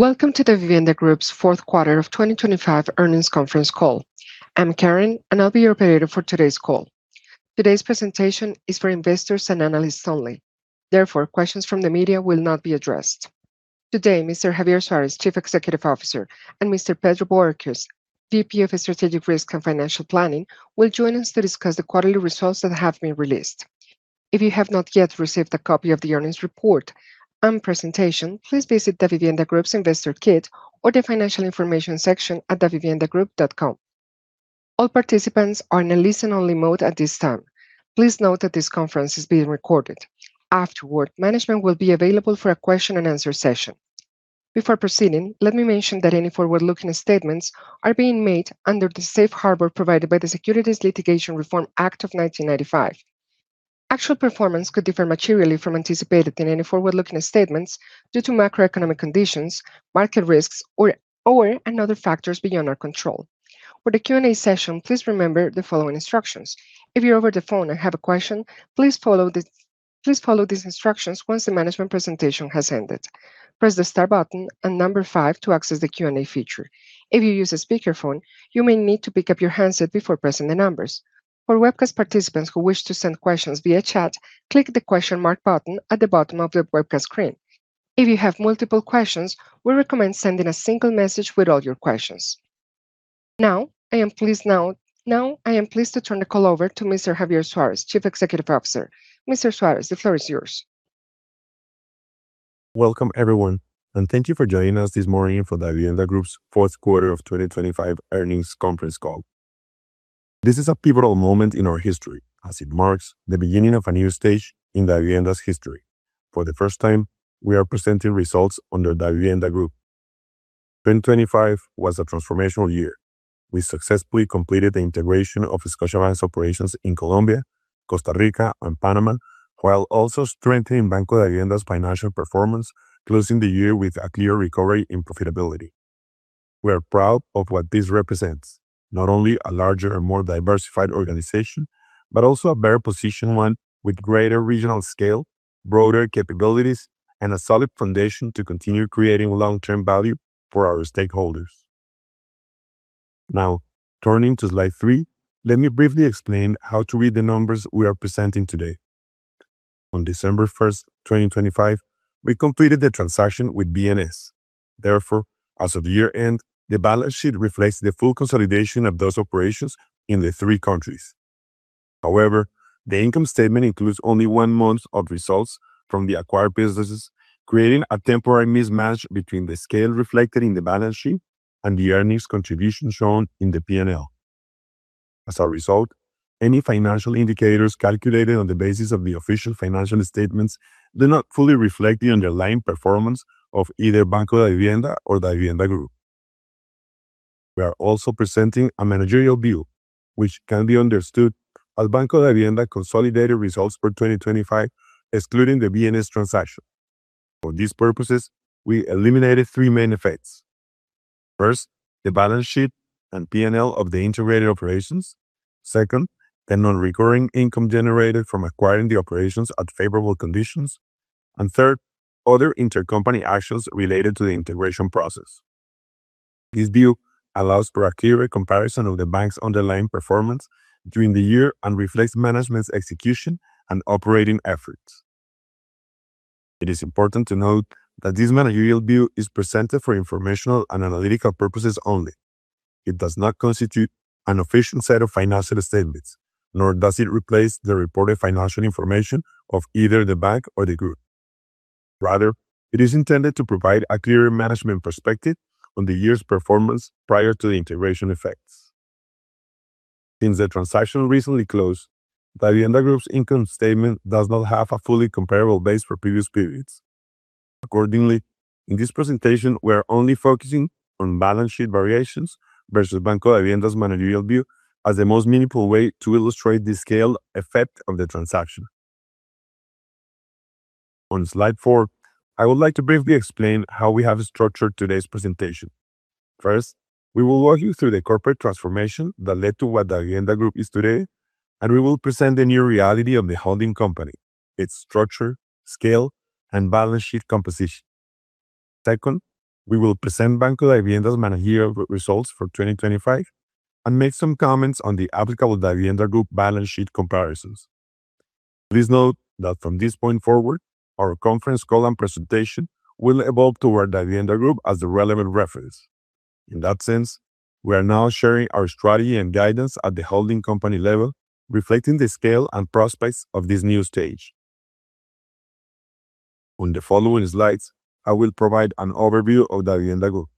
Welcome to the Davivienda Group's fourth quarter of 2025 earnings conference call. I'm Karen, and I'll be your operator for today's call. Today's presentation is for investors and analysts only. Therefore, questions from the media will not be addressed. Today, Mr. Javier Suárez, Chief Executive Officer, and Mr. Pedro Uribe Torres, VP of Strategic Risk and Financial Planning, will join us to discuss the quarterly results that have been released. If you have not yet received a copy of the earnings report and presentation, please visit Davivienda Group's investor kit or the financial information section at daviviendagroup.com. All participants are in a listen-only mode at this time. Please note that this conference is being recorded. Afterward, management will be available for a question and answer session. Before proceeding, let me mention that any forward-looking statements are being made under the safe harbor provided by the Private Securities Litigation Reform Act of 1995. Actual performance could differ materially from anticipated in any forward-looking statements due to macroeconomic conditions, market risks, or other factors beyond our control. For the Q&A session, please remember the following instructions. If you're over the phone and have a question, please follow these instructions once the management presentation has ended. Press the star button and five to access the Q&A feature. If you use a speakerphone, you may need to pick up your handset before pressing the numbers. For webcast participants who wish to send questions via chat, click the question mark button at the bottom of the webcast screen. If you have multiple questions, we recommend sending a single message with all your questions. Now, I am pleased to turn the call over to Mr. Javier José Suárez Esparragoza, Chief Executive Officer. Mr. Suárez, the floor is yours. Welcome, everyone, and thank you for joining us this morning for Davivienda Group's fourth quarter of 2025 earnings conference call. This is a pivotal moment in our history as it marks the beginning of a new stage in Davivienda's history. For the first time, we are presenting results under Davivienda Group. 2025 was a transformational year. We successfully completed the integration of Scotiabank's operations in Colombia, Costa Rica, and Panama, while also strengthening Banco Davivienda's financial performance, closing the year with a clear recovery in profitability. We are proud of what this represents, not only a larger and more diversified organization, but also a better positioned one with greater regional scale, broader capabilities, and a solid foundation to continue creating long-term value for our stakeholders. Now, turning to slide three, let me briefly explain how to read the numbers we are presenting today. On December 1st, 2025, we completed the transaction with BNS. Therefore, as of year-end, the balance sheet reflects the full consolidation of those operations in the three countries. However, the income statement includes only one month of results from the acquired businesses, creating a temporary mismatch between the scale reflected in the balance sheet and the earnings contribution shown in the P&L. As a result, any financial indicators calculated on the basis of the official financial statements do not fully reflect the underlying performance of either Banco Davivienda or Davivienda Group. We are also presenting a managerial view, which can be understood as Banco Davivienda consolidated results for 2025, excluding the BNS transaction. For these purposes, we eliminated three main effects. First, the balance sheet and P&L of the integrated operations. Second, the non-recurring income generated from acquiring the operations at favorable conditions. Third, other intercompany actions related to the integration process. This view allows for a clearer comparison of the bank's underlying performance during the year and reflects management's execution and operating efforts. It is important to note that this managerial view is presented for informational and analytical purposes only. It does not constitute an official set of financial statements, nor does it replace the reported financial information of either the bank or the group. Rather, it is intended to provide a clearer management perspective on the year's performance prior to the integration effects. Since the transaction recently closed, Davivienda Group's income statement does not have a fully comparable base for previous periods. Accordingly, in this presentation, we are only focusing on balance sheet variations versus Banco Davivienda's managerial view as the most meaningful way to illustrate the scale effect of the transaction. On slide four, I would like to briefly explain how we have structured today's presentation. First, we will walk you through the corporate transformation that led to what Davivienda Group is today, and we will present the new reality of the holding company, its structure, scale, and balance sheet composition. Second, we will present Banco Davivienda's managerial results for 2025 and make some comments on the applicable Davivienda Group balance sheet comparisons. Please note that from this point forward, our conference call and presentation will evolve toward Davivienda Group as the relevant reference. In that sense, we are now sharing our strategy and guidance at the holding company level, reflecting the scale and prospects of this new stage. On the following slides, I will provide an overview of Davivienda Group.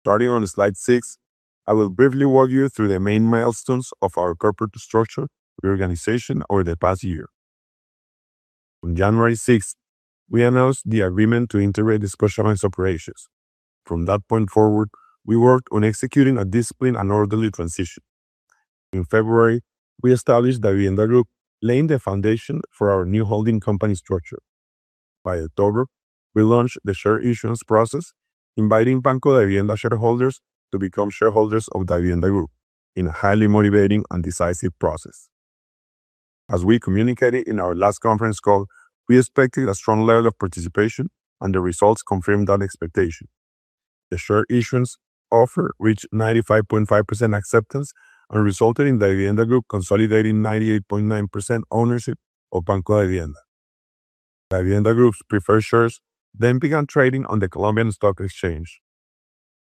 Starting on slide six, I will briefly walk you through the main milestones of our corporate structure reorganization over the past year. On January 6th, we announced the agreement to integrate the specialized operations. From that point forward, we worked on executing a disciplined and orderly transition. In February, we established Davivienda Group, laying the foundation for our new holding company structure. By October, we launched the share issuance process, inviting Banco Davivienda shareholders to become shareholders of Davivienda Group in a highly motivating and decisive process. We communicated in our last conference call, we expected a strong level of participation, and the results confirmed that expectation. The share issuance offer reached 95.5% acceptance and resulted in Davivienda Group consolidating 98.9% ownership of Banco Davivienda. Davivienda Group's preferred shares then began trading on the Colombian Stock Exchange.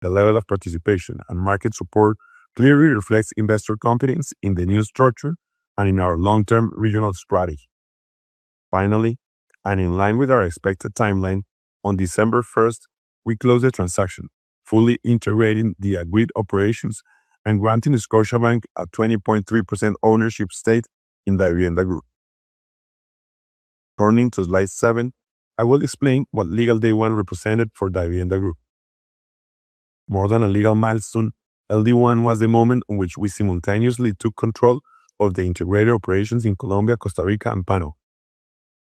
The level of participation and market support clearly reflects investor confidence in the new structure and in our long-term regional strategy. Finally, and in line with our expected timeline, on December 1st, we closed the transaction, fully integrating the agreed operations and granting Scotiabank a 20.3% ownership stake in Davivienda Group. Turning to slide seven, I will explain what legal day one represented for Davivienda Group. More than a legal milestone, LD1 was the moment in which we simultaneously took control of the integrated operations in Colombia, Costa Rica, and Panama.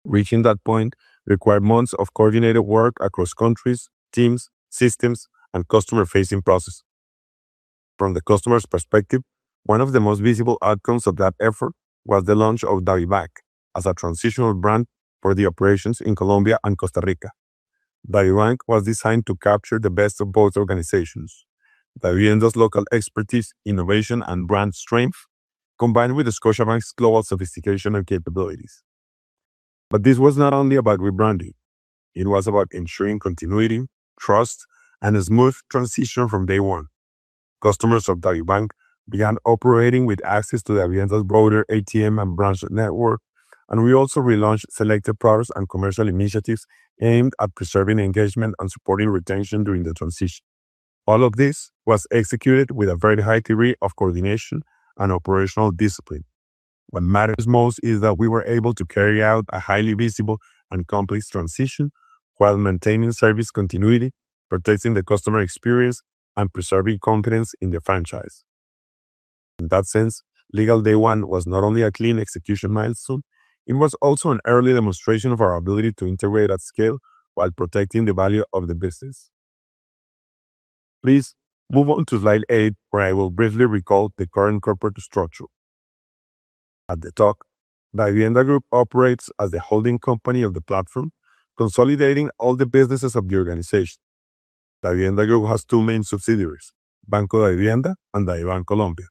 Reaching that point required months of coordinated work across countries, teams, systems, and customer-facing processes. From the customer's perspective, one of the most visible outcomes of that effort was the launch of DAVIbank as a transitional brand for the operations in Colombia and Costa Rica. DAVIbank was designed to capture the best of both organizations. Davivienda's local expertise, innovation, and brand strength, combined with Scotiabank's global sophistication and capabilities. This was not only about rebranding. It was about ensuring continuity, trust, and a smooth transition from day one. Customers of DAVIbank began operating with access to Davivienda's broader ATM and branch network, and we also relaunched selected products and commercial initiatives aimed at preserving engagement and supporting retention during the transition. All of this was executed with a very high degree of coordination and operational discipline. What matters most is that we were able to carry out a highly visible and complex transition while maintaining service continuity, protecting the customer experience, and preserving confidence in the franchise. In that sense, legal day one was not only a clean execution milestone, it was also an early demonstration of our ability to integrate at scale while protecting the value of the business. Please move on to slide eight, where I will briefly recall the current corporate structure. At the top, Davivienda Group operates as the holding company of the platform, consolidating all the businesses of the organization. Davivienda Group has two main subsidiaries, Banco Davivienda and DAVIbank Colombia.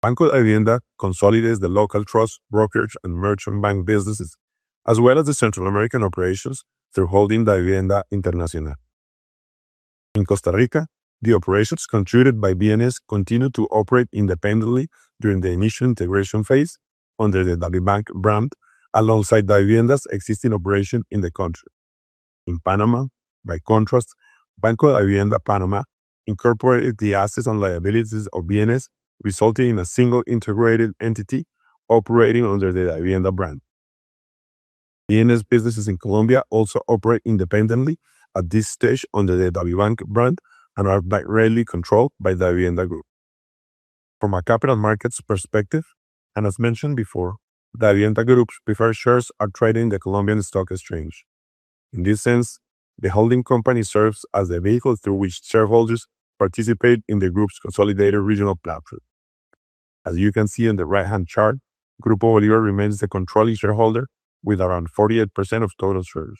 Banco Davivienda consolidates the local trust, brokerage, and merchant bank businesses, as well as the Central American operations through Holding Davivienda Internacional. In Costa Rica, the operations contributed by BNS continue to operate independently during the initial integration phase under the DAVIbank brand, alongside Davivienda's existing operation in the country. In Panama, by contrast, Banco Davivienda Panamá incorporated the assets and liabilities of BNS, resulting in a single integrated entity operating under the Davivienda brand. BNS businesses in Colombia also operate independently at this stage under the DAVIbank brand and are directly controlled by Davivienda Group. From a capital markets perspective, and as mentioned before, Davivienda Group's preferred shares are traded in the Colombian Stock Exchange. In this sense, the holding company serves as the vehicle through which shareholders participate in the group's consolidated regional platform. As you can see in the right-hand chart, Grupo Bolívar remains the controlling shareholder with around 48% of total shares.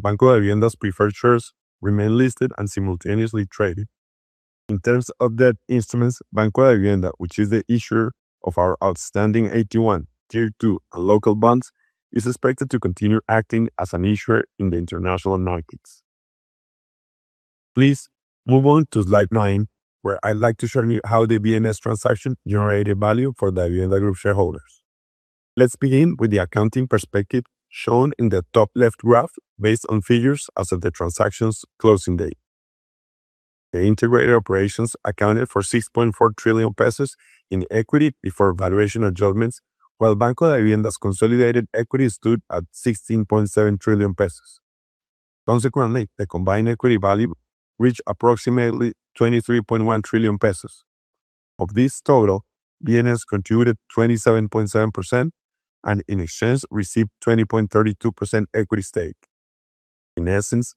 Banco Davivienda's preferred shares remain listed and simultaneously traded. In terms of debt instruments, Banco Davivienda, which is the issuer of our outstanding AT1, Tier 2, and local bonds, is expected to continue acting as an issuer in the international markets. Please move on to slide nine, where I'd like to show you how the BNS transaction generated value for Davivienda Group shareholders. Let's begin with the accounting perspective shown in the top left graph based on figures as of the transaction's closing date. The integrated operations accounted for COP 6.4 trillion in equity before valuation adjustments, while Banco Davivienda's consolidated equity stood at COP 16.7 trillion. Consequently, the combined equity value reached approximately COP 23.1 trillion. Of this total, BNS contributed 27.7% and in exchange received 20.32% equity stake. In essence,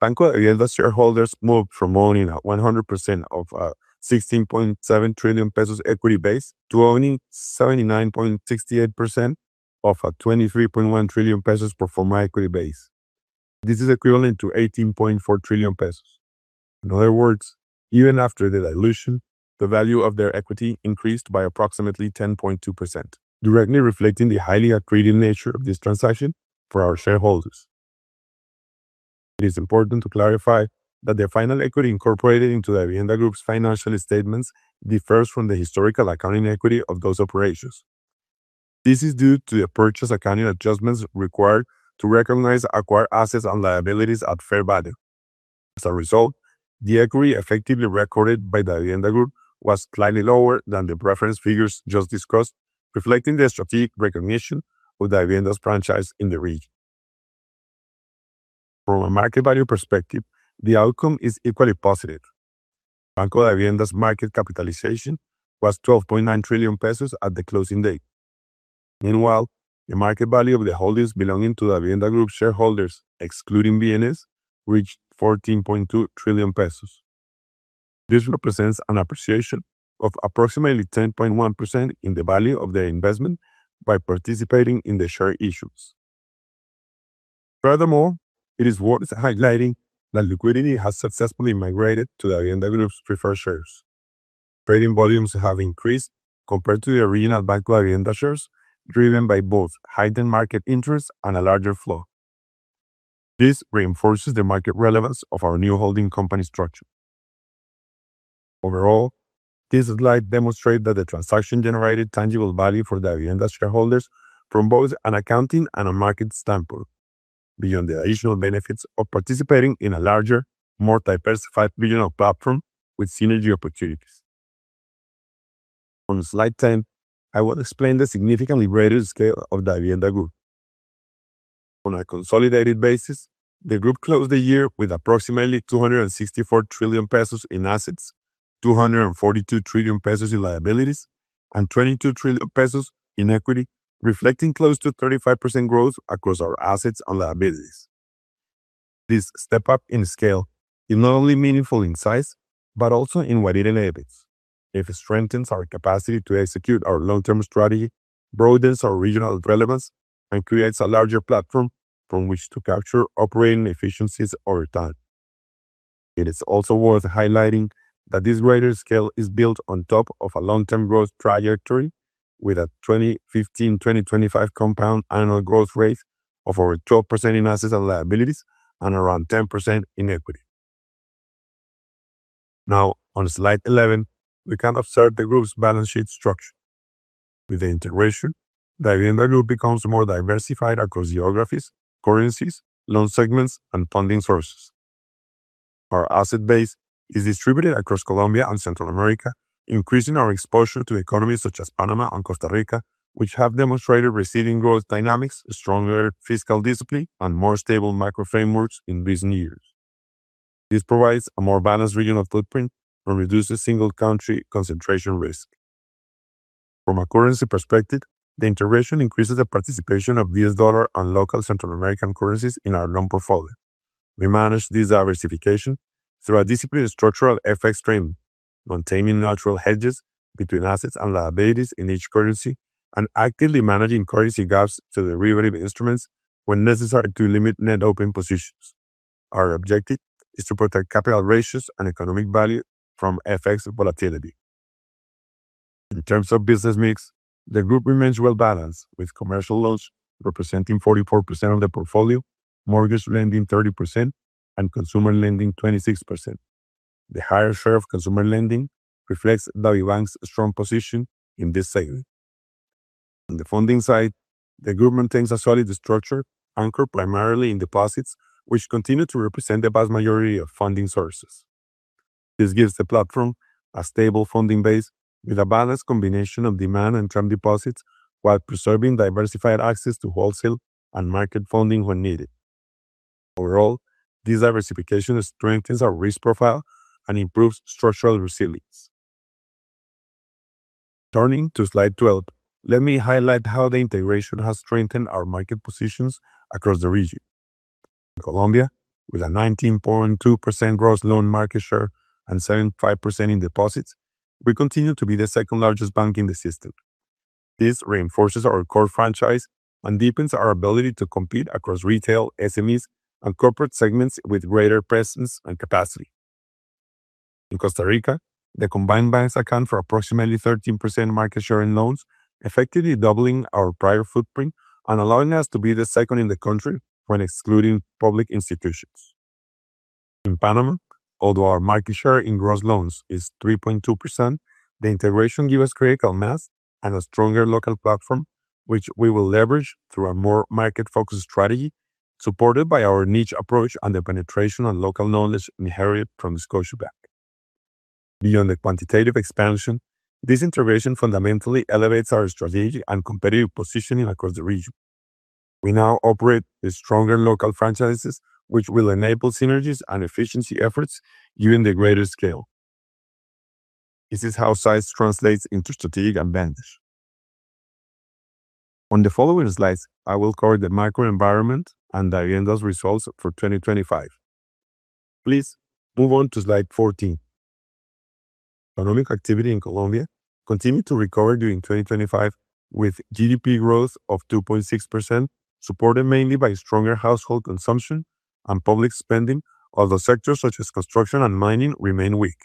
Banco Davivienda's shareholders moved from owning 100% of a COP 16.7 trillion equity base to owning 79.68% of a COP 23.1 trillion pro forma equity base. This is equivalent to COP 18.4 trillion. In other words, even after the dilution, the value of their equity increased by approximately 10.2%, directly reflecting the highly accretive nature of this transaction for our shareholders. It is important to clarify that the final equity incorporated into Davivienda Group's financial statements differs from the historical accounting equity of those operations. This is due to the purchase accounting adjustments required to recognize acquired assets and liabilities at fair value. As a result, the equity effectively recorded by Davivienda Group was slightly lower than the reference figures just discussed, reflecting the strategic recognition of Davivienda's franchise in the region. From a market value perspective, the outcome is equally positive. Banco Davivienda's market capitalization was COP 12.9 trillion at the closing date. Meanwhile, the market value of the holdings belonging to Davivienda Group shareholders, excluding BNS, reached COP 14.2 trillion. This represents an appreciation of approximately 10.1% in the value of their investment by participating in the share issues. Furthermore, it is worth highlighting that liquidity has successfully migrated to Davivienda Group's preferred shares. Trading volumes have increased compared to the original Banco Davivienda shares, driven by both heightened market interest and a larger flow. This reinforces the market relevance of our new holding company structure. Overall, this slide demonstrate that the transaction generated tangible value for Davivienda shareholders from both an accounting and a market standpoint, beyond the additional benefits of participating in a larger, more diversified regional platform with synergy opportunities. On slide 10, I will explain the significantly greater scale of Davivienda Group. On a consolidated basis, the group closed the year with approximately COP 264 trillion in assets, COP 242 trillion in liabilities, and COP 22 trillion in equity, reflecting close to 35% growth across our assets and liabilities. This step up in scale is not only meaningful in size, but also in what it enables. It strengthens our capacity to execute our long-term strategy, broadens our regional relevance, and creates a larger platform from which to capture operating efficiencies over time. It is also worth highlighting that this greater scale is built on top of a long-term growth trajectory with a 2015/2025 compound annual growth rate of over 12% in assets and liabilities and around 10% in equity. Now, on slide 11, we can observe the group's balance sheet structure. With the integration, Davivienda Group becomes more diversified across geographies, currencies, loan segments, and funding sources. Our asset base is distributed across Colombia and Central America, increasing our exposure to economies such as Panama and Costa Rica, which have demonstrated resilient growth dynamics, stronger fiscal discipline, and more stable macro frameworks in recent years. This provides a more balanced regional footprint and reduces single-country concentration risk. From a currency perspective, the integration increases the participation of U.S. Dollar and local Central American currencies in our loan portfolio. We manage this diversification through a disciplined structural FX training, maintaining natural hedges between assets and liabilities in each currency, and actively managing currency gaps to derivative instruments when necessary to limit net open positions. Our objective is to protect capital ratios and economic value from FX volatility. In terms of business mix, the group remains well-balanced, with commercial loans representing 44% of the portfolio, mortgage lending 30%, and consumer lending 26%. The higher share of consumer lending reflects DAVIbank's strong position in this segment. On the funding side, the group maintains a solid structure anchored primarily in deposits, which continue to represent the vast majority of funding sources. This gives the platform a stable funding base with a balanced combination of demand and term deposits while preserving diversified access to wholesale and market funding when needed. Overall, this diversification strengthens our risk profile and improves structural resilience. Turning to slide 12, let me highlight how the integration has strengthened our market positions across the region. Colombia, with a 19.2% gross loan market share and 7.5% in deposits, we continue to be the second-largest bank in the system. This reinforces our core franchise and deepens our ability to compete across retail, SMEs, and corporate segments with greater presence and capacity. In Costa Rica, the combined banks account for approximately 13% market share in loans, effectively doubling our prior footprint and allowing us to be the second in the country when excluding public institutions. In Panama, although our market share in gross loans is 3.2%, the integration give us critical mass and a stronger local platform, which we will leverage through a more market-focused strategy supported by our niche approach and the penetration and local knowledge inherited from Scotiabank. Beyond the quantitative expansion, this integration fundamentally elevates our strategic and competitive positioning across the region. We now operate the stronger local franchises, which will enable synergies and efficiency efforts given the greater scale. This is how size translates into strategic advantage. On the following slides, I will cover the macro environment and Davivienda's results for 2025. Please move on to slide 14. Economic activity in Colombia continued to recover during 2025, with GDP growth of 2.6%, supported mainly by stronger household consumption and public spending. Other sectors such as construction and mining remain weak.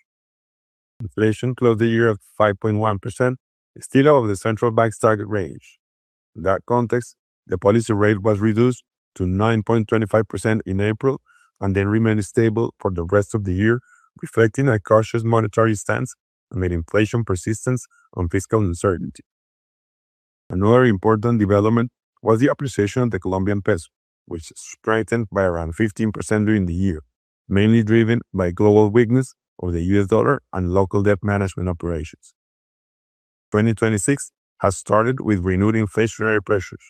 Inflation closed the year at 5.1%, still out of the central bank's target range. In that context, the policy rate was reduced to 9.25% in April and then remained stable for the rest of the year, reflecting a cautious monetary stance amid inflation persistence and fiscal uncertainty. Another important development was the appreciation of the Colombian peso, which strengthened by around 15% during the year, mainly driven by global weakness of the US dollar and local debt management operations. 2026 has started with renewed inflationary pressures.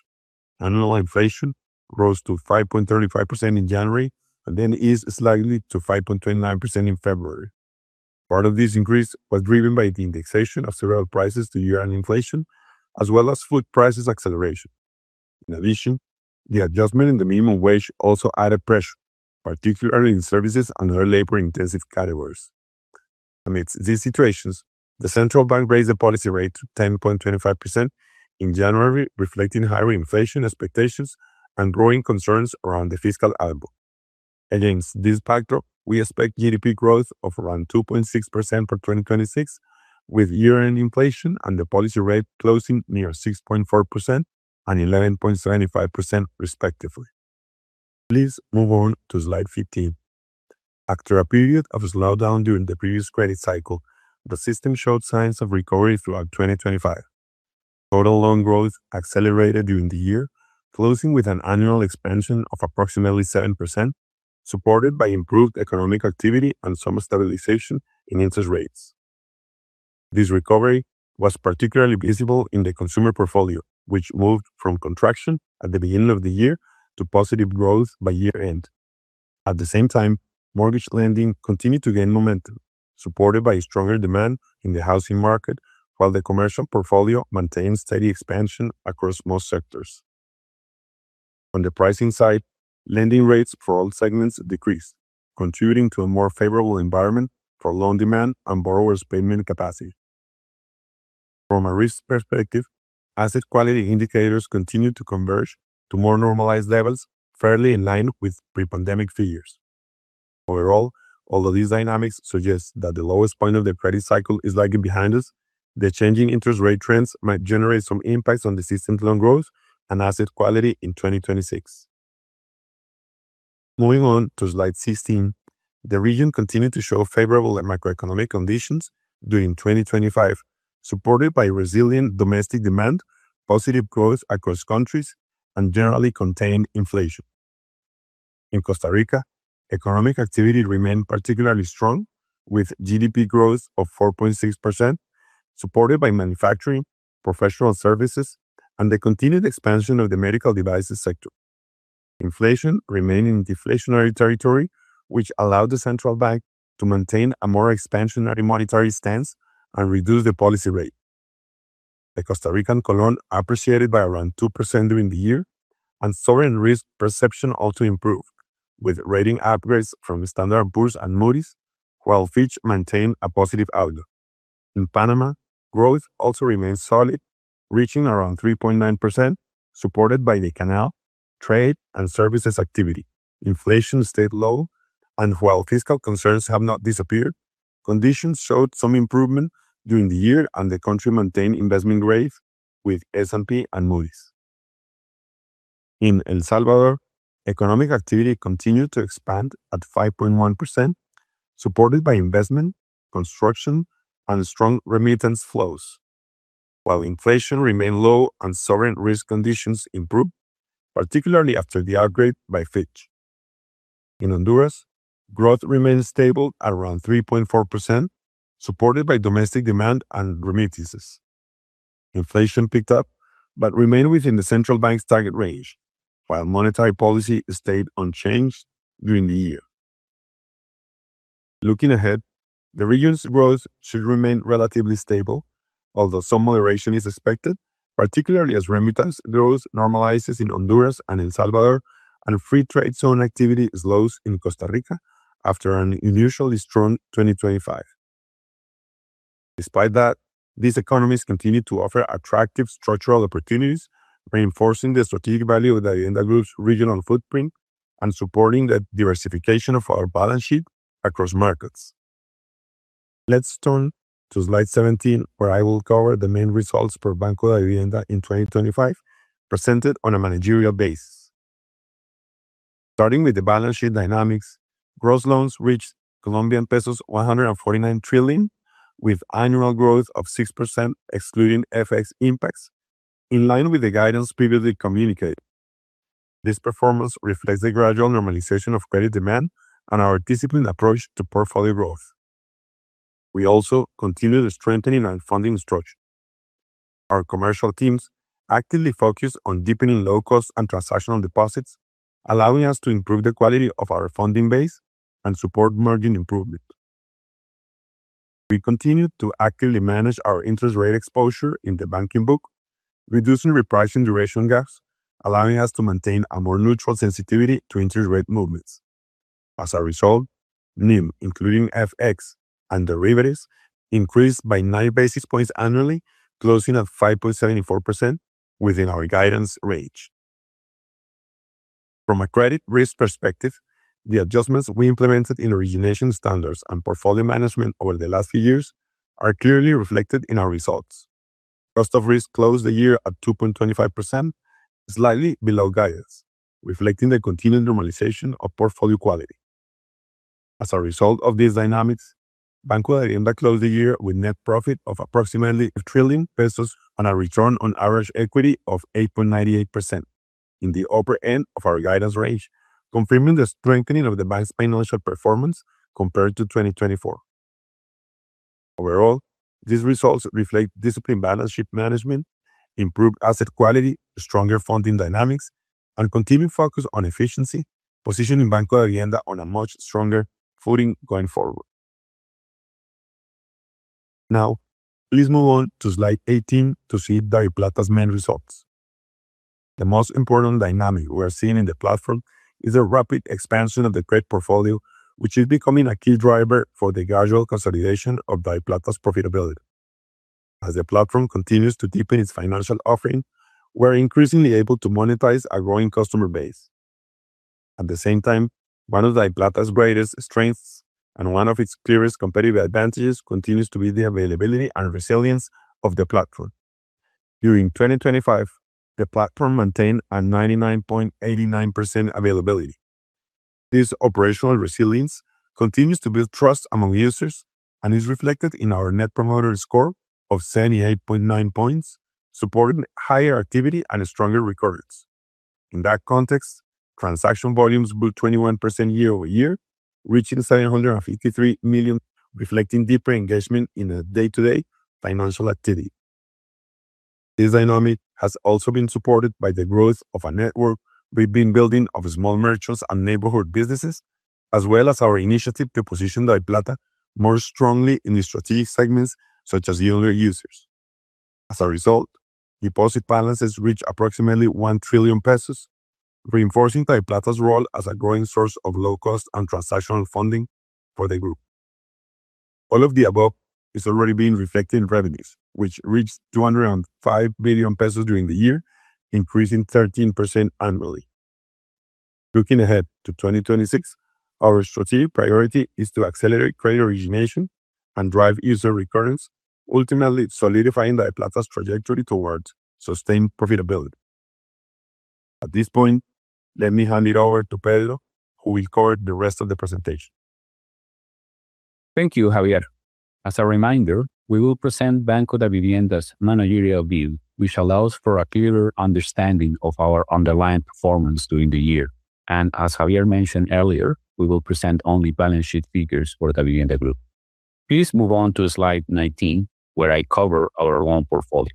Annual inflation rose to 5.35% in January and then eased slightly to 5.29% in February. Part of this increase was driven by the indexation of several prices to YoY inflation, as well as food prices acceleration. In addition, the adjustment in the minimum wage also added pressure, particularly in services and other labor-intensive categories. Amidst these situations, the Central Bank raised the policy rate to 10.25% in January, reflecting higher inflation expectations and growing concerns around the fiscal outlook. Against this backdrop, we expect GDP growth of around 2.6% for 2026, with year-end inflation and the policy rate closing near 6.4% and 11.75% respectively. Please move on to slide 15. After a period of slowdown during the previous credit cycle, the system showed signs of recovery throughout 2025. Total loan growth accelerated during the year, closing with an annual expansion of approximately 7%, supported by improved economic activity and some stabilization in interest rates. This recovery was particularly visible in the consumer portfolio, which moved from contraction at the beginning of the year to positive growth by year-end. At the same time, mortgage lending continued to gain momentum, supported by stronger demand in the housing market, while the commercial portfolio maintained steady expansion across most sectors. On the pricing side, lending rates for all segments decreased, contributing to a more favorable environment for loan demand and borrowers' payment capacity. From a risk perspective, asset quality indicators continued to converge to more normalized levels, fairly in line with pre-pandemic figures. Overall, although these dynamics suggest that the lowest point of the credit cycle is likely behind us, the change in interest rate trends might generate some impacts on the system's loan growth and asset quality in 2026. Moving on to slide 16. The region continued to show favorable and macroeconomic conditions during 2025, supported by resilient domestic demand, positive growth across countries, and generally contained inflation. In Costa Rica, economic activity remained particularly strong, with GDP growth of 4.6%, supported by manufacturing, professional services, and the continued expansion of the medical devices sector. Inflation remained in deflationary territory, which allowed the Central Bank to maintain a more expansionary monetary stance and reduce the policy rate. The Costa Rican colon appreciated by around 2% during the year, and sovereign risk perception also improved, with rating upgrades from Standard & Poor's and Moody's, while Fitch maintained a positive outlook. In Panama, growth also remains solid, reaching around 3.9%, supported by the canal, trade, and services activity. Inflation stayed low, and while fiscal concerns have not disappeared, conditions showed some improvement during the year and the country maintained investment grade with S&P and Moody's. In El Salvador, economic activity continued to expand at 5.1%, supported by investment, construction, and strong remittance flows. While inflation remained low and sovereign risk conditions improved, particularly after the upgrade by Fitch. In Honduras, growth remained stable at around 3.4%, supported by domestic demand and remittances. Inflation picked up, but remained within the Central Bank's target range, while monetary policy stayed unchanged during the year. Looking ahead, the region's growth should remain relatively stable, although some moderation is expected, particularly as remittance growth normalizes in Honduras and El Salvador and free trade zone activity slows in Costa Rica after an unusually strong 2025. Despite that, these economies continue to offer attractive structural opportunities, reinforcing the strategic value of the Davivienda Group's regional footprint and supporting the diversification of our balance sheet across markets. Let's turn to slide 17, where I will cover the main results for Banco Davivienda in 2025, presented on a managerial basis. Starting with the balance sheet dynamics, gross loans reached COP 149 trillion, with annual growth of 6% excluding FX impacts, in line with the guidance previously communicated. This performance reflects the gradual normalization of credit demand and our disciplined approach to portfolio growth. We also continued strengthening our funding structure. Our commercial teams actively focused on deepening low cost and transactional deposits, allowing us to improve the quality of our funding base and support margin improvement. We continued to actively manage our interest rate exposure in the banking book, reducing repricing duration gaps, allowing us to maintain a more neutral sensitivity to interest rate movements. As a result, NIM, including FX and derivatives, increased by nine basis points annually, closing at 5.74% within our guidance range. From a credit risk perspective, the adjustments we implemented in origination standards and portfolio management over the last few years are clearly reflected in our results. Cost of risk closed the year at 2.25%, slightly below guidance, reflecting the continued normalization of portfolio quality. As a result of these dynamics, Banco Davivienda closed the year with net profit of approximately COP 1 trillion on a return on average equity of 8.98% in the upper end of our guidance range, confirming the strengthening of the bank's financial performance compared to 2024. Overall, these results reflect disciplined balance sheet management, improved asset quality, stronger funding dynamics, and continuing focus on efficiency, positioning Banco Davivienda on a much stronger footing going forward. Now, please move on to slide 18 to see DaviPlata's main results. The most important dynamic we are seeing in the platform is the rapid expansion of the credit portfolio, which is becoming a key driver for the gradual consolidation of DaviPlata's profitability. As the platform continues to deepen its financial offering, we're increasingly able to monetize a growing customer base. At the same time, one of DaviPlata's greatest strengths and one of its clearest competitive advantages continues to be the availability and resilience of the platform. During 2025, the platform maintained a 99.89% availability. This operational resilience continues to build trust among users and is reflected in our Net Promoter Score of 78.9 points, supporting higher activity and stronger recurrence. In that context, transaction volumes grew 21% YoY, reaching 753 million, reflecting deeper engagement in a day-to-day financial activity. This dynamic has also been supported by the growth of a network we've been building of small merchants and neighborhood businesses, as well as our initiative to position DaviPlata more strongly in the strategic segments such as younger users. As a result, deposit balances reach approximately COP 1 trillion, reinforcing DaviPlata's role as a growing source of low-cost and transactional funding for the group. All of the above is already being reflected in revenues, which reached COP 205 million during the year, increasing 13% annually. Looking ahead to 2026, our strategic priority is to accelerate credit origination and drive user recurrence, ultimately solidifying DaviPlata's trajectory towards sustained profitability. At this point, let me hand it over to Pedro, who will cover the rest of the presentation. Thank you, Javier. As a reminder, we will present Banco Davivienda's managerial view, which allows for a clearer understanding of our underlying performance during the year. As Javier mentioned earlier, we will present only balance sheet figures for Davivienda Group. Please move on to slide 19, where I cover our loan portfolio.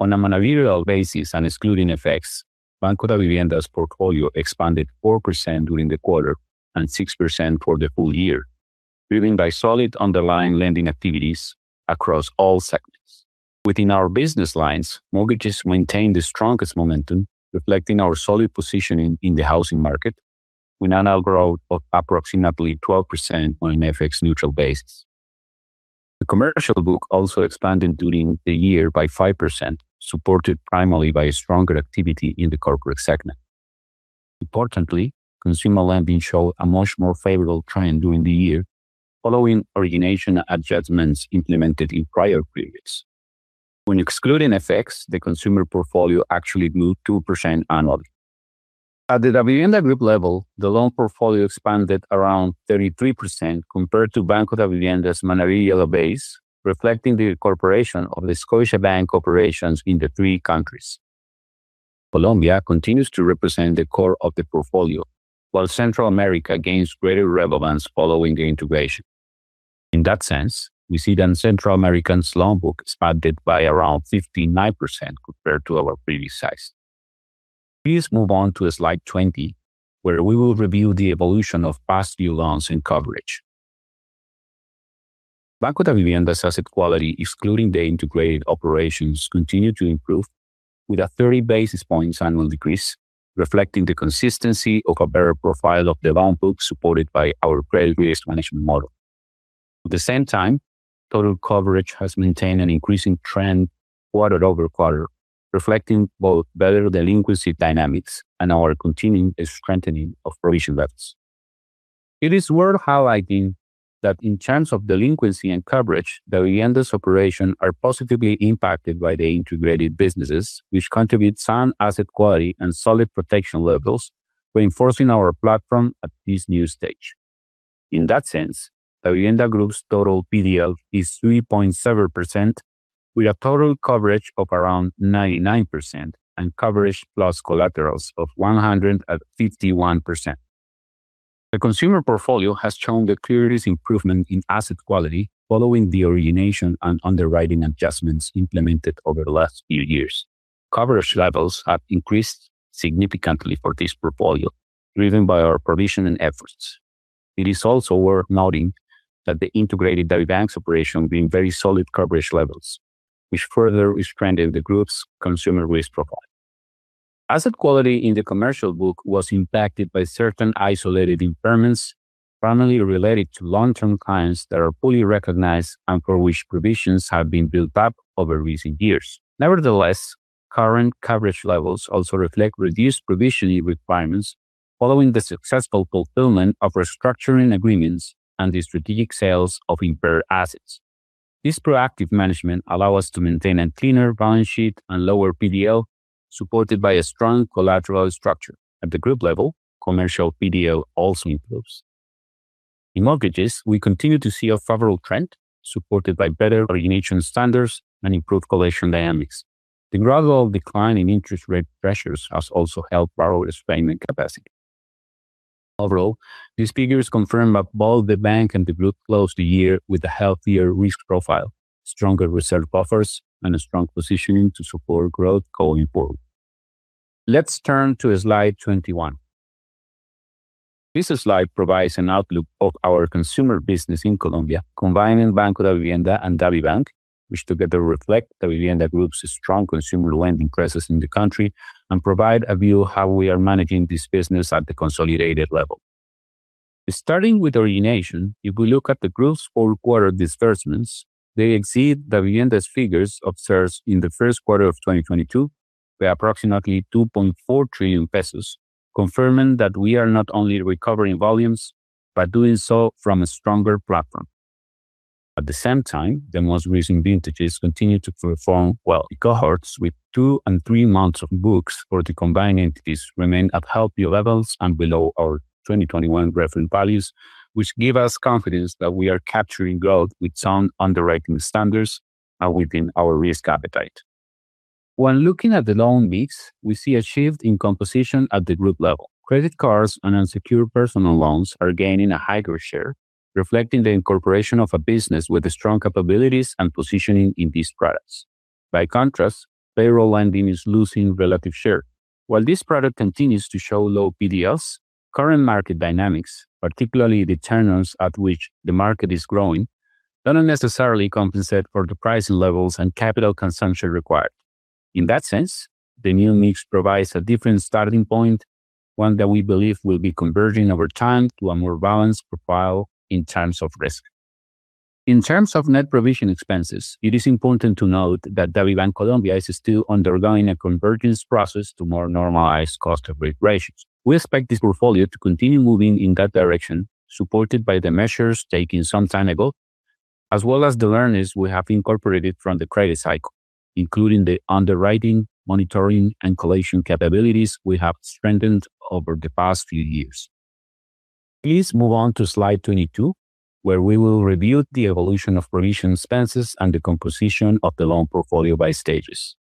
On a managerial basis and excluding effects, Banco Davivienda's portfolio expanded 4% during the quarter and 6% for the full year, driven by solid underlying lending activities across all segments. Within our business lines, mortgages maintain the strongest momentum, reflecting our solid positioning in the housing market with an annual growth of approximately 12% on an FX neutral basis. The commercial book also expanded during the year by 5%, supported primarily by a stronger activity in the corporate segment. Importantly, consumer lending showed a much more favorable trend during the year following origination adjustments implemented in prior periods. When excluding FX, the consumer portfolio actually grew 2% annually. At the Davivienda Group level, the loan portfolio expanded around 33% compared to Banco Davivienda's managerial base, reflecting the incorporation of the Scotiabank operations in the three countries. Colombia continues to represent the core of the portfolio, while Central America gains greater relevance following the integration. In that sense, we see that Central America's loan book expanded by around 59% compared to our previous size. Please move on to slide 20, where we will review the evolution of past due loans and coverage. Banco Davivienda's asset quality, excluding the integrated operations, continues to improve with a 30 basis points annual decrease, reflecting the consistency of a better profile of the loan book supported by our credit risk management model. At the same time, total coverage has maintained an increasing trend QoQ, reflecting both better delinquency dynamics and our continuing strengthening of provision levels. It is worth highlighting that in terms of delinquency and coverage, Davivienda's operations are positively impacted by the integrated businesses, which contribute sound asset quality and solid protection levels, reinforcing our platform at this new stage. In that sense, Davivienda Group's total PDL is 3.7% with a total coverage of around 99% and coverage plus collaterals of 151%. The consumer portfolio has shown the clearest improvement in asset quality following the origination and underwriting adjustments implemented over the last few years. Coverage levels have increased significantly for this portfolio, driven by our provisioning efforts. It is also worth noting that the integrated DAVIbank's operation being very solid coverage levels, which further strengthen the group's consumer risk profile. Asset quality in the commercial book was impacted by certain isolated impairments, primarily related to long-term clients that are fully recognized and for which provisions have been built up over recent years. Nevertheless, current coverage levels also reflect reduced provisioning requirements following the successful fulfillment of restructuring agreements and the strategic sales of impaired assets. This proactive management allow us to maintain a cleaner balance sheet and lower PDL supported by a strong collateral structure. At the group level, commercial PDL also improves. In mortgages, we continue to see a favorable trend supported by better origination standards and improved collection dynamics. The gradual decline in interest rate pressures has also helped borrower's payment capacity. Overall, these figures confirm that both the bank and the group closed the year with a healthier risk profile, stronger reserve buffers, and a strong positioning to support growth going forward. Let's turn to slide 21. This slide provides an outlook of our consumer business in Colombia, combining Banco Davivienda and DaviBank, which together reflect Davivienda Group's strong consumer lending presence in the country and provide a view of how we are managing this business at the consolidated level. Starting with origination, if we look at the group's full quarter disbursements, they exceed Davivienda's figures observed in the first quarter of 2022 by approximately COP 2.4 trillion, confirming that we are not only recovering volumes, but doing so from a stronger platform. At the same time, the most recent vintages continue to perform well. The cohorts with two and three months of books for the combined entities remain at healthier levels and below our 2021 reference values, which give us confidence that we are capturing growth with sound underwriting standards and within our risk appetite. When looking at the loan mix, we see a shift in composition at the group level. Credit cards and unsecured personal loans are gaining a higher share, reflecting the incorporation of a business with strong capabilities and positioning in these products. By contrast, payroll lending is losing relative share. While this product continues to show low PDLs, current market dynamics, particularly the terms at which the market is growing, don't necessarily compensate for the pricing levels and capital consumption required. In that sense, the new mix provides a different starting point, one that we believe will be converging over time to a more balanced profile in terms of risk. In terms of net provision expenses, it is important to note that DAVIbank Colombia is still undergoing a convergence process to more normalized cost of risk ratios. We expect this portfolio to continue moving in that direction, supported by the measures taken some time ago, as well as the learnings we have incorporated from the credit cycle, including the underwriting, monitoring, and collection capabilities we have strengthened over the past few years. Please move on to slide 22, where we will review the evolution of provision expenses and the composition of the loan portfolio by stages.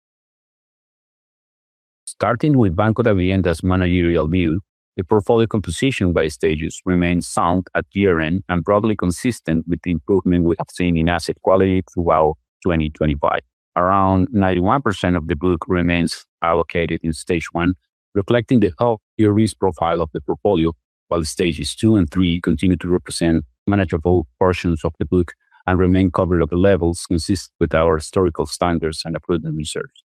Starting with Banco Davivienda's managerial view, the portfolio composition by stages remains sound at year-end and broadly consistent with the improvement we have seen in asset quality throughout 2025. Around 91% of the book remains allocated in stage one, reflecting the healthier risk profile of the portfolio, while stages two and three continue to represent manageable portions of the book and remain covered at levels consistent with our historical standards and appropriate reserves.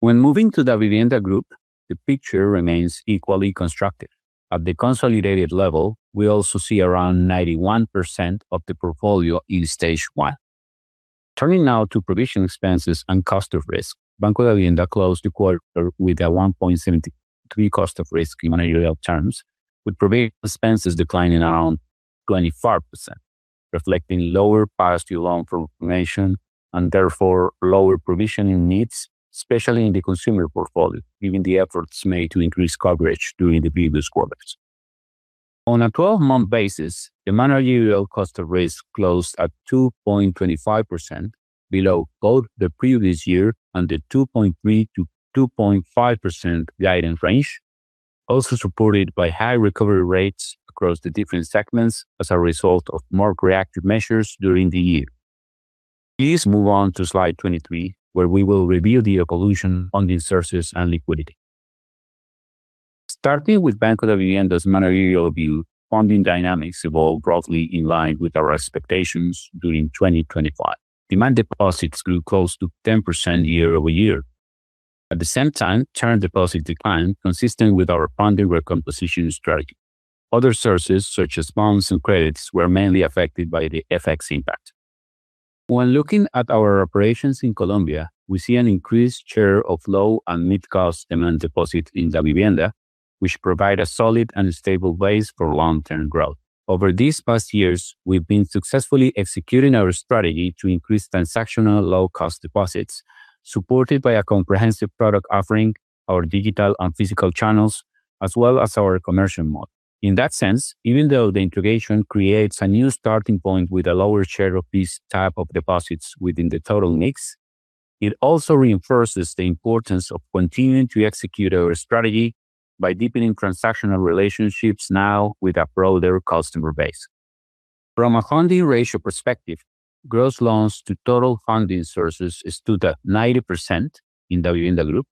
When moving to Davivienda Group, the picture remains equally constructive. At the consolidated level, we also see around 91% of the portfolio in stage one. Turning now to provision expenses and cost of risk, Banco Davivienda closed the quarter with a 1.73 cost of risk in managerial terms, with provision expenses declining around 24%, reflecting lower past due loan formation and therefore lower provisioning needs, especially in the consumer portfolio, given the efforts made to increase coverage during the previous quarters. On a 12-month basis, the managerial cost of risk closed at 2.25% below both the previous year and the 2.3%-2.5% guidance range, also supported by high recovery rates across the different segments as a result of more corrective measures during the year. Please move on to slide 23, where we will review the evolution funding sources and liquidity. Starting with Banco Davivienda's managerial view, funding dynamics evolved roughly in line with our expectations during 2025. Demand deposits grew close to 10% YoY. At the same time, term deposit declined, consistent with our funding recomposition strategy. Other sources, such as bonds and credits, were mainly affected by the FX impact. When looking at our operations in Colombia, we see an increased share of low and mid-cost demand deposit in Davivienda, which provide a solid and stable base for long-term growth. Over these past years, we've been successfully executing our strategy to increase transactional low-cost deposits, supported by a comprehensive product offering, our digital and physical channels, as well as our commercial model. In that sense, even though the integration creates a new starting point with a lower share of this type of deposits within the total mix, it also reinforces the importance of continuing to execute our strategy by deepening transactional relationships now with a broader customer base. From a funding ratio perspective, gross loans to total funding sources stood at 90% in Davivienda Group,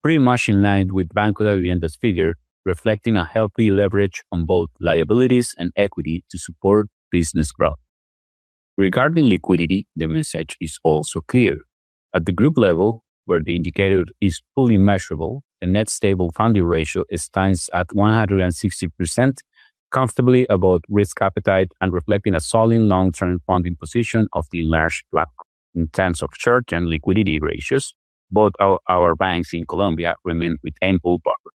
pretty much in line with Banco Davivienda's figure, reflecting a healthy leverage on both liabilities and equity to support business growth. Regarding liquidity, the message is also clear. At the group level, where the indicator is fully measurable, the Net Stable Funding Ratio stands at 160%, comfortably above risk appetite and reflecting a solid long-term funding position of the enlarged platform. In terms of short-term liquidity ratios, both our banks in Colombia remain with ample buffer.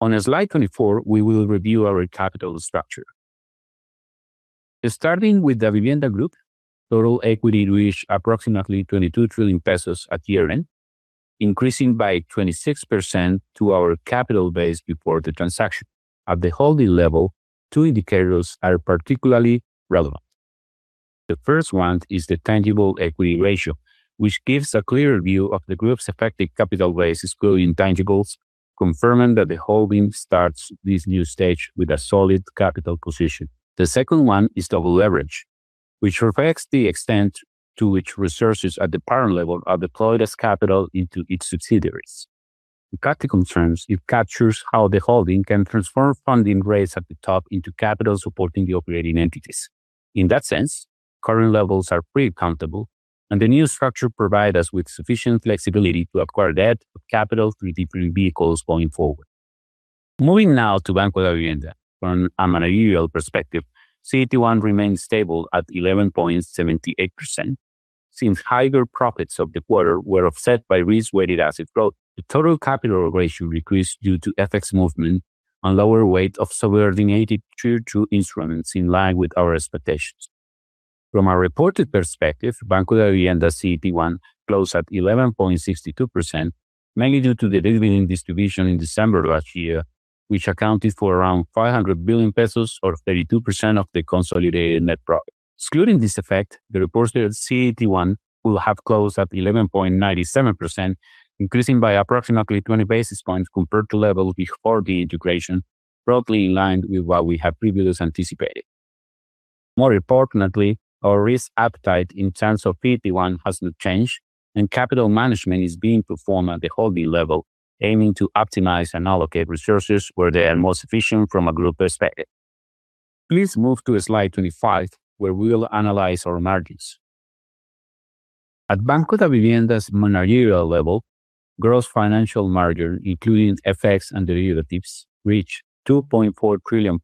On slide 24, we will review our capital structure. Starting with Davivienda Group, total equity reached approximately COP 22 trillion at year-end, increasing by 26% to our capital base before the transaction. At the holding level, two indicators are particularly relevant. The first one is the tangible equity ratio, which gives a clear view of the group's effective capital base excluding intangibles, confirming that the holding starts this new stage with a solid capital position. The second one is total leverage, which reflects the extent to which resources at the parent level are deployed as capital into its subsidiaries. In practical terms, it captures how the holding can transform funding rates at the top into capital supporting the operating entities. In that sense, current levels are pretty comfortable, and the new structure provide us with sufficient flexibility to acquire debt or capital through different vehicles going forward. Moving now to Banco Davivienda. From a managerial perspective, CET1 remains stable at 11.78% since higher profits of the quarter were offset by risk-weighted asset growth. The total capital ratio decreased due to FX movement and lower weight of subordinated Tier 2 instruments in line with our expectations. From a reported perspective, Banco Davivienda CET1 closed at 11.62%, mainly due to the dividend distribution in December of last year, which accounted for around COP 500 billion or 32% of the consolidated net profit. Excluding this effect, the reported CET1 will have closed at 11.97%, increasing by approximately 20 basis points compared to levels before the integration, broadly in line with what we have previously anticipated. More importantly, our risk appetite in terms of CET1 has not changed, and capital management is being performed at the holding level, aiming to optimize and allocate resources where they are most efficient from a group perspective. Please move to slide 25, where we will analyze our margins. At Banco Davivienda's managerial level, gross financial margin, including FX and derivatives, reached COP 2.4 trillion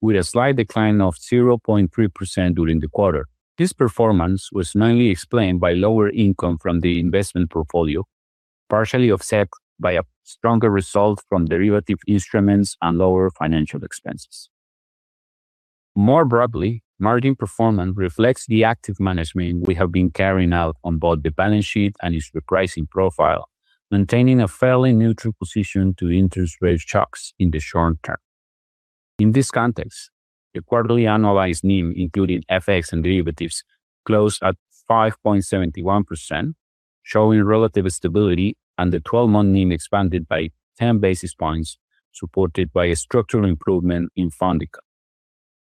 with a slight decline of 0.3% during the quarter. This performance was mainly explained by lower income from the investment portfolio, partially offset by a stronger result from derivative instruments and lower financial expenses. More broadly, margin performance reflects the active management we have been carrying out on both the balance sheet and its repricing profile, maintaining a fairly neutral position to interest rate shocks in the short term. In this context, the quarterly annualized NIM, including FX and derivatives, closed at 5.71%, showing relative stability and the 12-month NIM expanded by 10 basis points, supported by a structural improvement in funding costs.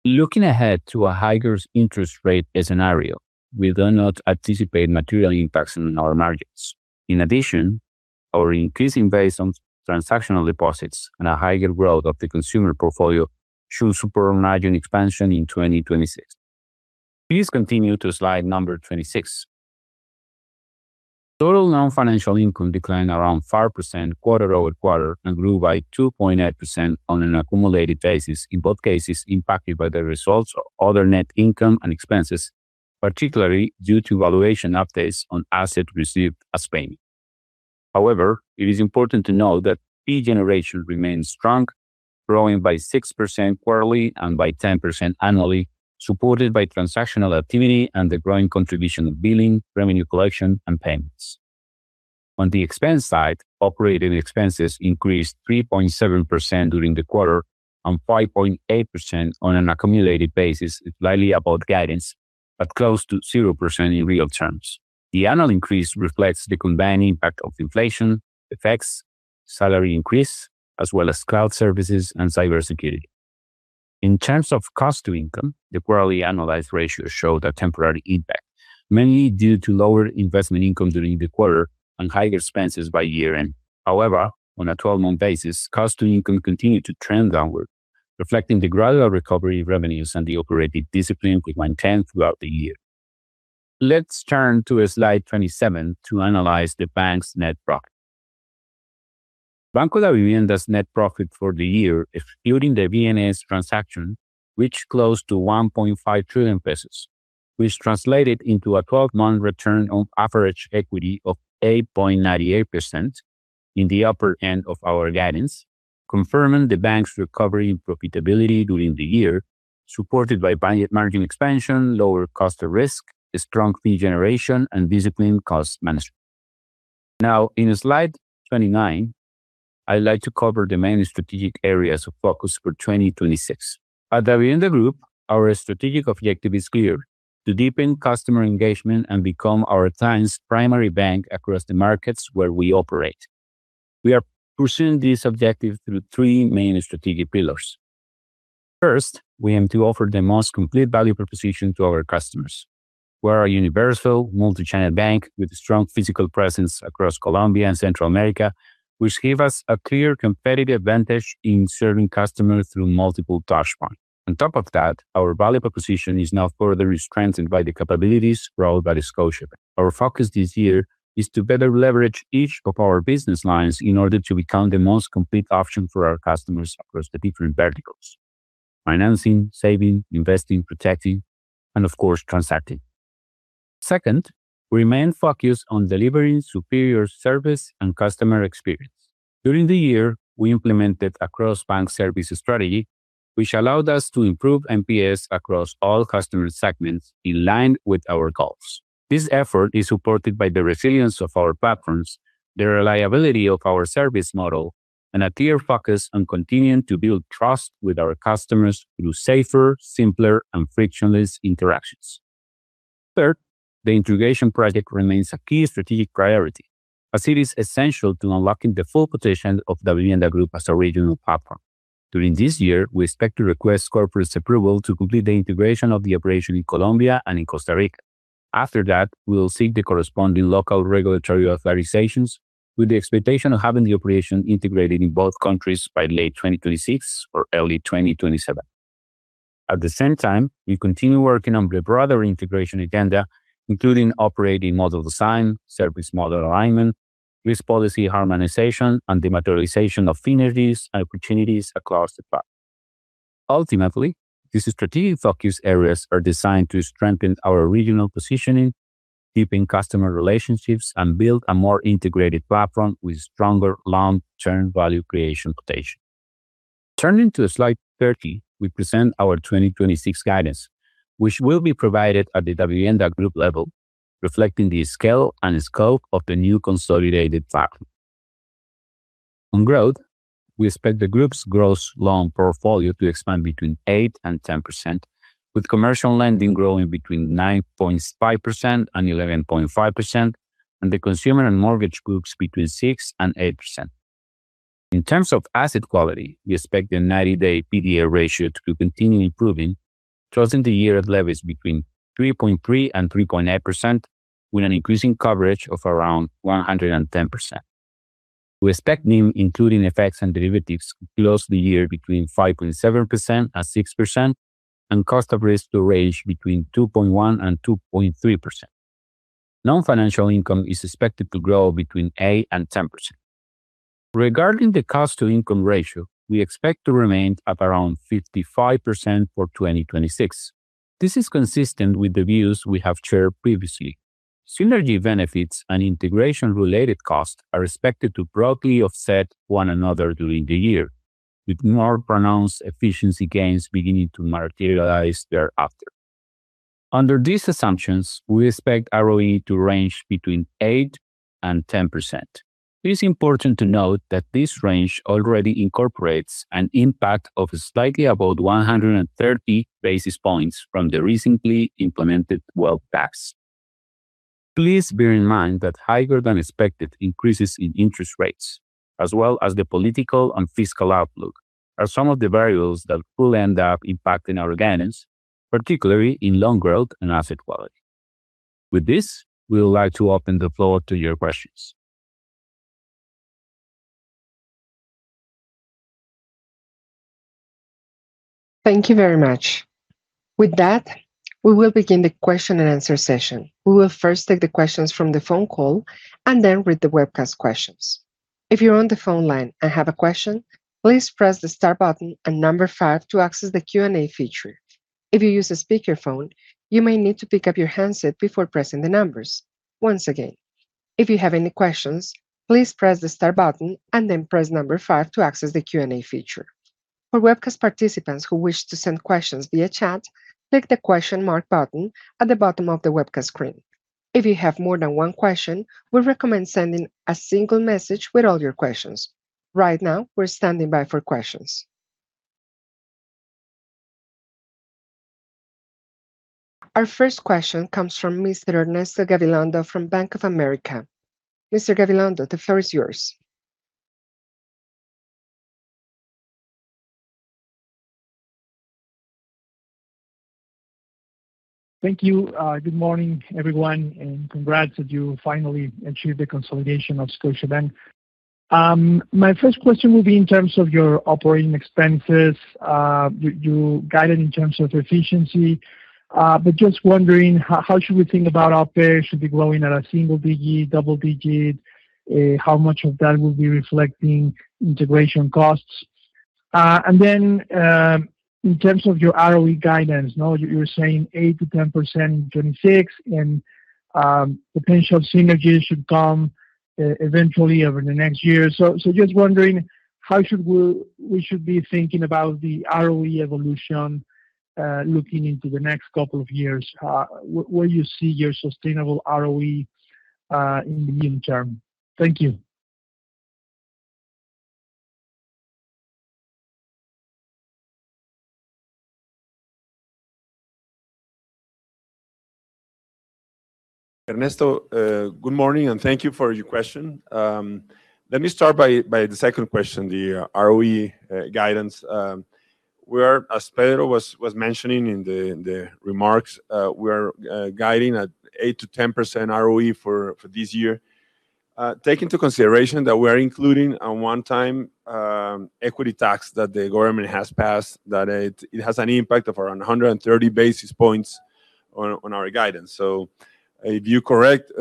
Looking ahead to a higher interest rate scenario, we do not anticipate material impacts on our margins. In addition, our increasing base on transactional deposits and a higher growth of the consumer portfolio should support margin expansion in 2026. Please continue to slide number 26. Total non-financial income declined around 5% QoQ and grew by 2.9% on an accumulated basis, in both cases impacted by the results of other net income and expenses, particularly due to valuation updates on assets received as payment. However, it is important to note that fee generation remains strong, growing by 6% quarterly and by 10% annually, supported by transactional activity and the growing contribution of billing, revenue collection, and payments. On the expense side, operating expenses increased 3.7% during the quarter and 5.8% on an accumulated basis, slightly above guidance, but close to 0% in real terms. The annual increase reflects the combined impact of inflation, effects, salary increase, as well as cloud services and cybersecurity. In terms of cost-to-income, the quarterly annualized ratio showed a temporary impact, mainly due to lower investment income during the quarter and higher expenses by year-end. However, on a 12-month basis, cost-to-income continued to trend downward, reflecting the gradual recovery in revenues and the operating discipline we maintained throughout the year. Let's turn to slide 27 to analyze the bank's net profit. Banco Davivienda's net profit for the year, excluding the BNS transaction, reached close to COP 1.5 trillion, which translated into a 12-month return on average equity of 8.98% in the upper end of our guidance, confirming the bank's recovery and profitability during the year, supported by margin expansion, lower cost of risk, a strong fee generation, and disciplined cost management. Now in slide 29, I'd like to cover the main strategic areas of focus for 2026. At Davivienda Group, our strategic objective is clear, to deepen customer engagement and become our clients' primary bank across the markets where we operate. We are pursuing this objective through three main strategic pillars. First, we aim to offer the most complete value proposition to our customers. We are a universal multi-channel bank with a strong physical presence across Colombia and Central America, which give us a clear competitive advantage in serving customers through multiple touchpoints. On top of that, our value proposition is now further strengthened by the capabilities brought by the Scotiabank. Our focus this year is to better leverage each of our business lines in order to become the most complete option for our customers across the different verticals, financing, saving, investing, protecting, and of course, transacting. Second, we remain focused on delivering superior service and customer experience. During the year, we implemented a cross-bank service strategy, which allowed us to improve NPS across all customer segments in line with our goals. This effort is supported by the resilience of our platforms, the reliability of our service model, and a clear focus on continuing to build trust with our customers through safer, simpler, and frictionless interactions. Third, the integration project remains a key strategic priority, as it is essential to unlocking the full potential of Davivienda Group as a regional platform. During this year, we expect to request corporate approval to complete the integration of the operation in Colombia and in Costa Rica. After that, we will seek the corresponding local regulatory authorizations with the expectation of having the operation integrated in both countries by late 2026 or early 2027. At the same time, we continue working on the broader integration agenda, including operating model design, service model alignment, risk policy harmonization, and the materialization of synergies and opportunities across the platform. Ultimately, these strategic focus areas are designed to strengthen our regional positioning, deepen customer relationships, and build a more integrated platform with stronger long-term value creation potential. Turning to slide 30, we present our 2026 guidance, which will be provided at the Davivienda Group level, reflecting the scale and scope of the new consolidated platform. On growth, we expect the group's gross loans portfolio to expand between 8% and 10%, with commercial lending growing between 9.5% and 11.5%, and the consumer and mortgage groups between 6% and 8%. In terms of asset quality, we expect the 90-day PDL ratio to continue improving, closing the year at levels between 3.3% and 3.8% with an increasing coverage of around 110%. We expect NIM, including FX and derivatives, to close the year between 5.7% and 6% and cost of risk to range between 2.1% and 2.3%. Non-financial income is expected to grow between 8% and 10%. Regarding the cost-to-income ratio, we expect to remain at around 55% for 2026. This is consistent with the views we have shared previously. Synergy benefits and integration-related costs are expected to broadly offset one another during the year, with more pronounced efficiency gains beginning to materialize thereafter. Under these assumptions, we expect ROE to range between 8% and 10%. It is important to note that this range already incorporates an impact of slightly above 130 basis points from the recently implemented wealth tax. Please bear in mind that higher than expected increases in interest rates, as well as the political and fiscal outlook, are some of the variables that will end up impacting our guidance, particularly in loan growth and asset quality. With this, we would like to open the floor to your questions. Thank you very much. With that, we will begin the question and answer session. We will first take the questions from the phone call and then read the webcast questions. If you're on the phone line and have a question, please press the star button and number five to access the Q&A feature. If you use a speakerphone, you may need to pick up your handset before pressing the numbers. Once again, if you have any questions, please press the star button and then press number five to access the Q&A feature. For webcast participants who wish to send questions via chat, click the question mark button at the bottom of the webcast screen. If you have more than one question, we recommend sending a single message with all your questions. Right now, we're standing by for questions. Our first question comes from Mr. Ernesto Gabilondo from Bank of America. Mr. Gabilondo, the floor is yours. Thank you. Good morning, everyone, and congrats that you finally achieved the consolidation of Scotiabank. My first question will be in terms of your operating expenses. You guided in terms of efficiency, but just wondering how should we think about OpEx? Should be growing at a single digit, double digits? How much of that will be reflecting integration costs? And then, in terms of your ROE guidance, now you're saying 8%-10% in 2026, and potential synergies should come eventually over the next year. Just wondering how we should be thinking about the ROE evolution looking into the next couple of years. Where you see your sustainable ROE in the interim? Thank you. Ernesto, good morning, and thank you for your question. Let me start by the second question, the ROE guidance. We are, as Pedro was mentioning in the remarks, guiding at 8%-10% ROE for this year. Take into consideration that we are including a one-time equity tax that the government has passed, that it has an impact of around 130 basis points on our guidance. If you correct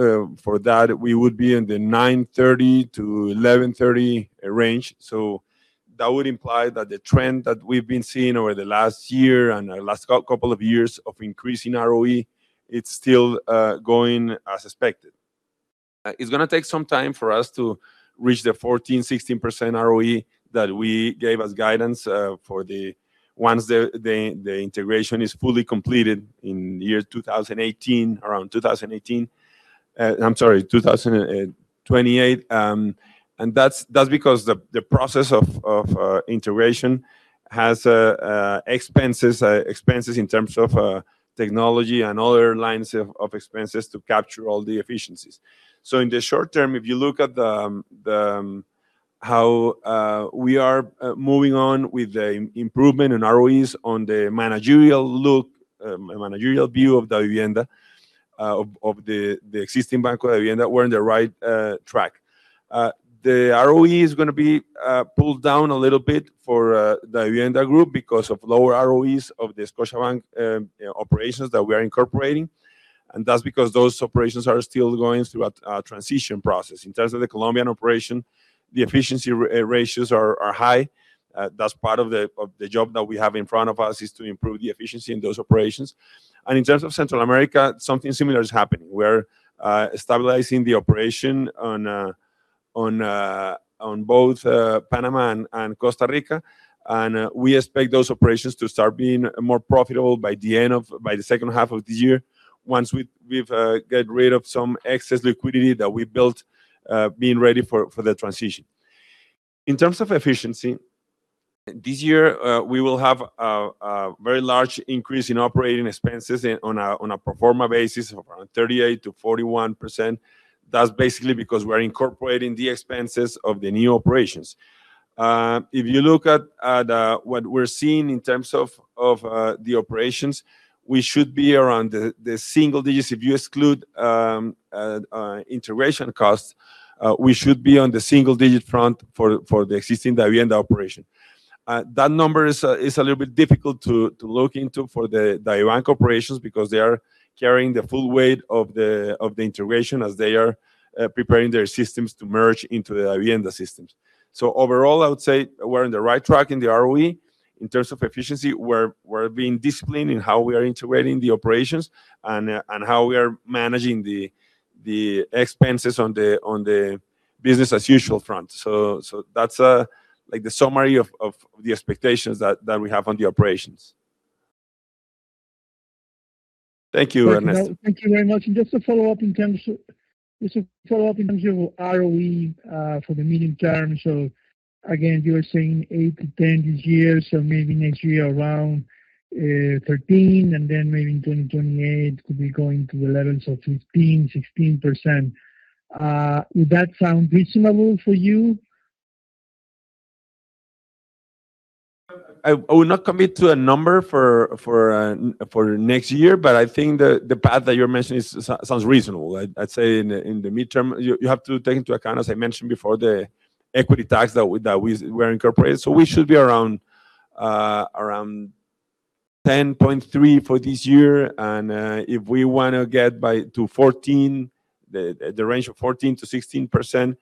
for that, we would be in the 9.30%-11.30% range. That would imply that the trend that we've been seeing over the last year and the last couple of years of increasing ROE, it's still going as expected. It's gonna take some time for us to reach the 14%-16% ROE that we gave as guidance once the integration is fully completed in 2018, around 2018. I'm sorry, 2028. That's because the process of integration has expenses in terms of technology and other lines of expenses to capture all the efficiencies. In the short term, if you look at how we are moving on with the improvement in ROEs on the managerial look, managerial view of Davivienda, of the existing Banco Davivienda, we're on the right track. The ROE is gonna be pulled down a little bit for Davivienda Group because of lower ROEs of the Scotiabank operations that we are incorporating, and that's because those operations are still going through a transition process. In terms of the Colombian operation, the efficiency ratios are high. That's part of the job that we have in front of us, is to improve the efficiency in those operations. In terms of Central America, something similar is happening. We're stabilizing the operation on both Panama and Costa Rica, and we expect those operations to start being more profitable by the second half of the year, once we've get rid of some excess liquidity that we built being ready for the transition. In terms of efficiency, this year we will have a very large increase in operating expenses on a pro forma basis of around 38%-41%. That's basically because we're incorporating the expenses of the new operations. If you look at what we're seeing in terms of the operations, we should be around the single digits. If you exclude integration costs, we should be on the single digit front for the existing Davivienda operation. That number is a little bit difficult to look into for the DAVIbank operations because they are carrying the full weight of the integration as they are preparing their systems to merge into the Davivienda systems. Overall, I would say we're on the right track in the ROE. In terms of efficiency, we're being disciplined in how we are integrating the operations and how we are managing the expenses on the business as usual front. That's like the summary of the expectations that we have on the operations. Thank you, Ernesto. Thank you very much. Just a follow-up in terms of ROE for the medium term. Again, you were saying 8%-10% this year, maybe next year around 13%, and then maybe in 2028 could be going to 11, so 15%-16%. Would that sound reasonable for you? I would not commit to a number for next year, but I think the path that you're mentioning sounds reasonable. I'd say in the midterm, you have to take into account, as I mentioned before, the equity tax that we're incorporating. So we should be around 10.3% for this year. If we want to get to 14%-16%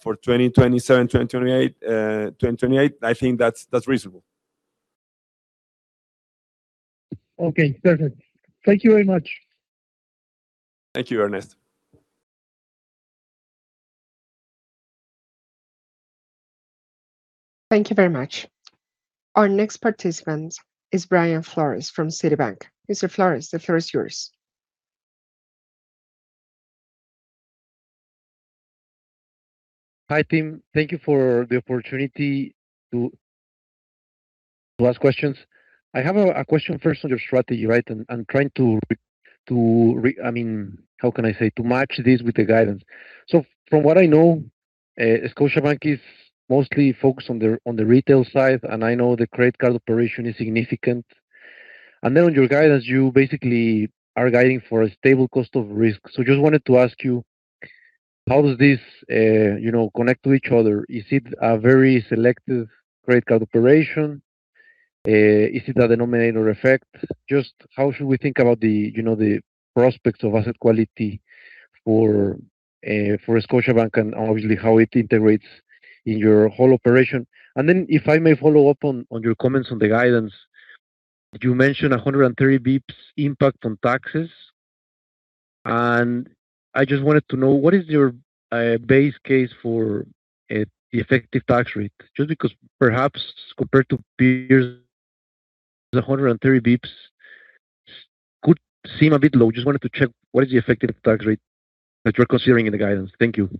for 2027, 2028, I think that's reasonable. Okay, perfect. Thank you very much. Thank you, Ernesto. Thank you very much. Our next participant is Brian Flores from Citi. Mr. Flores, the floor is yours. Hi, team. Thank you for the opportunity to ask questions. I have a question first on your strategy, right? I'm trying I mean, how can I say, to match this with the guidance. From what I know, Scotiabank is mostly focused on the retail side, and I know the credit card operation is significant. On your guidance, you basically are guiding for a stable cost of risk. Just wanted to ask you, how does this, you know, connect to each other? Is it a very selective credit card operation? Is it a denominator effect? Just how should we think about the prospects of asset quality for Scotiabank and obviously how it integrates in your whole operation? If I may follow up on your comments on the guidance. You mentioned 130 basis points impact on taxes, and I just wanted to know, what is your base case for the effective tax rate? Just because perhaps compared to peers, the 130 basis points could seem a bit low. Just wanted to check what is the effective tax rate that you're considering in the guidance. Thank you.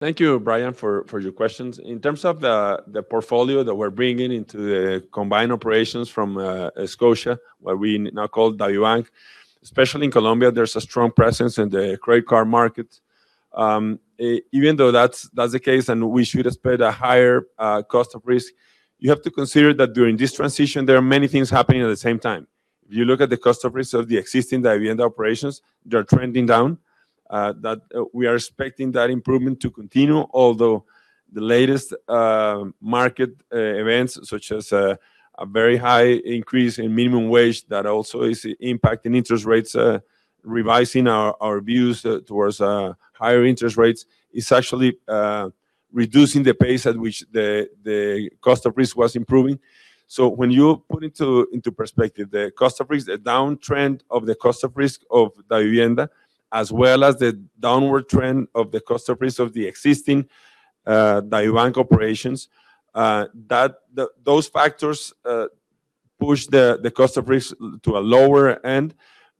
Thank you, Brian, for your questions. In terms of the portfolio that we're bringing into the combined operations from Scotia, what we now call DAVIbank, especially in Colombia, there's a strong presence in the credit card market. Even though that's the case, and we should expect a higher cost of risk, you have to consider that during this transition, there are many things happening at the same time. If you look at the cost of risk of the existing Davivienda operations, they are trending down. We are expecting that improvement to continue, although the latest market events, such as a very high increase in minimum wage that also is impacting interest rates revising our views towards higher interest rates, is actually reducing the pace at which the cost of risk was improving. When you put into perspective the cost of risk, the downtrend of the cost of risk of Davivienda, as well as the downward trend of the cost of risk of the existing bank operations, those factors push the cost of risk to a lower end.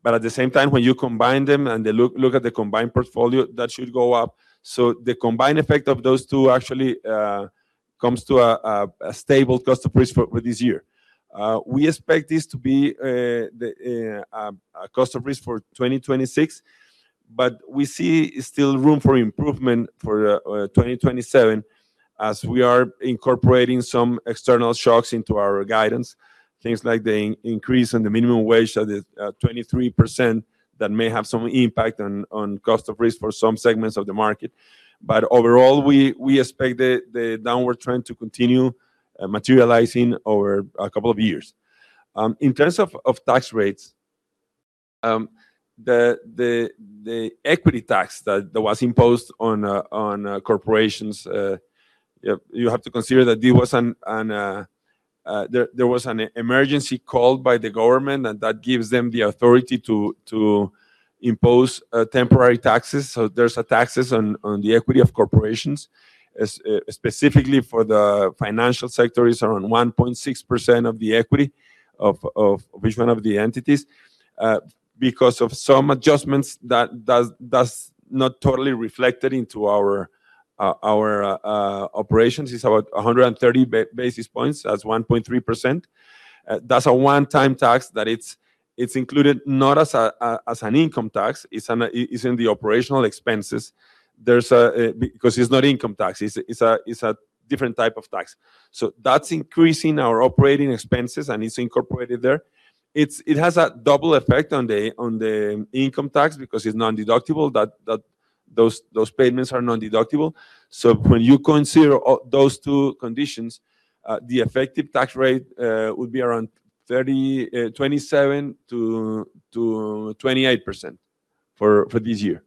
At the same time, when you combine them and they look at the combined portfolio, that should go up. The combined effect of those two actually comes to a stable cost of risk for this year. We expect this to be a cost of risk for 2026, but we still see room for improvement for 2027 as we are incorporating some external shocks into our guidance. Things like the increase in the minimum wage at the 23% that may have some impact on cost of risk for some segments of the market. Overall, we expect the downward trend to continue materializing over a couple of years. In terms of tax rates, the equity tax that was imposed on corporations, yeah, you have to consider that there was an emergency call by the government, and that gives them the authority to impose temporary taxes. There's taxes on the equity of corporations. Specifically for the financial sector is around 1.6% of the equity of which one of the entities. Because of some adjustments that does not totally reflected into our operations. It's about 130 basis points. That's 1.3%. That's a one-time tax that it's included not as an income tax. It's in the operational expenses. Because it's not income tax, it's a different type of tax. That's increasing our operating expenses, and it's incorporated there. It has a double effect on the income tax because it's non-deductible, those payments are non-deductible. When you consider all those two conditions, the effective tax rate would be around 30, 27-28% for this year.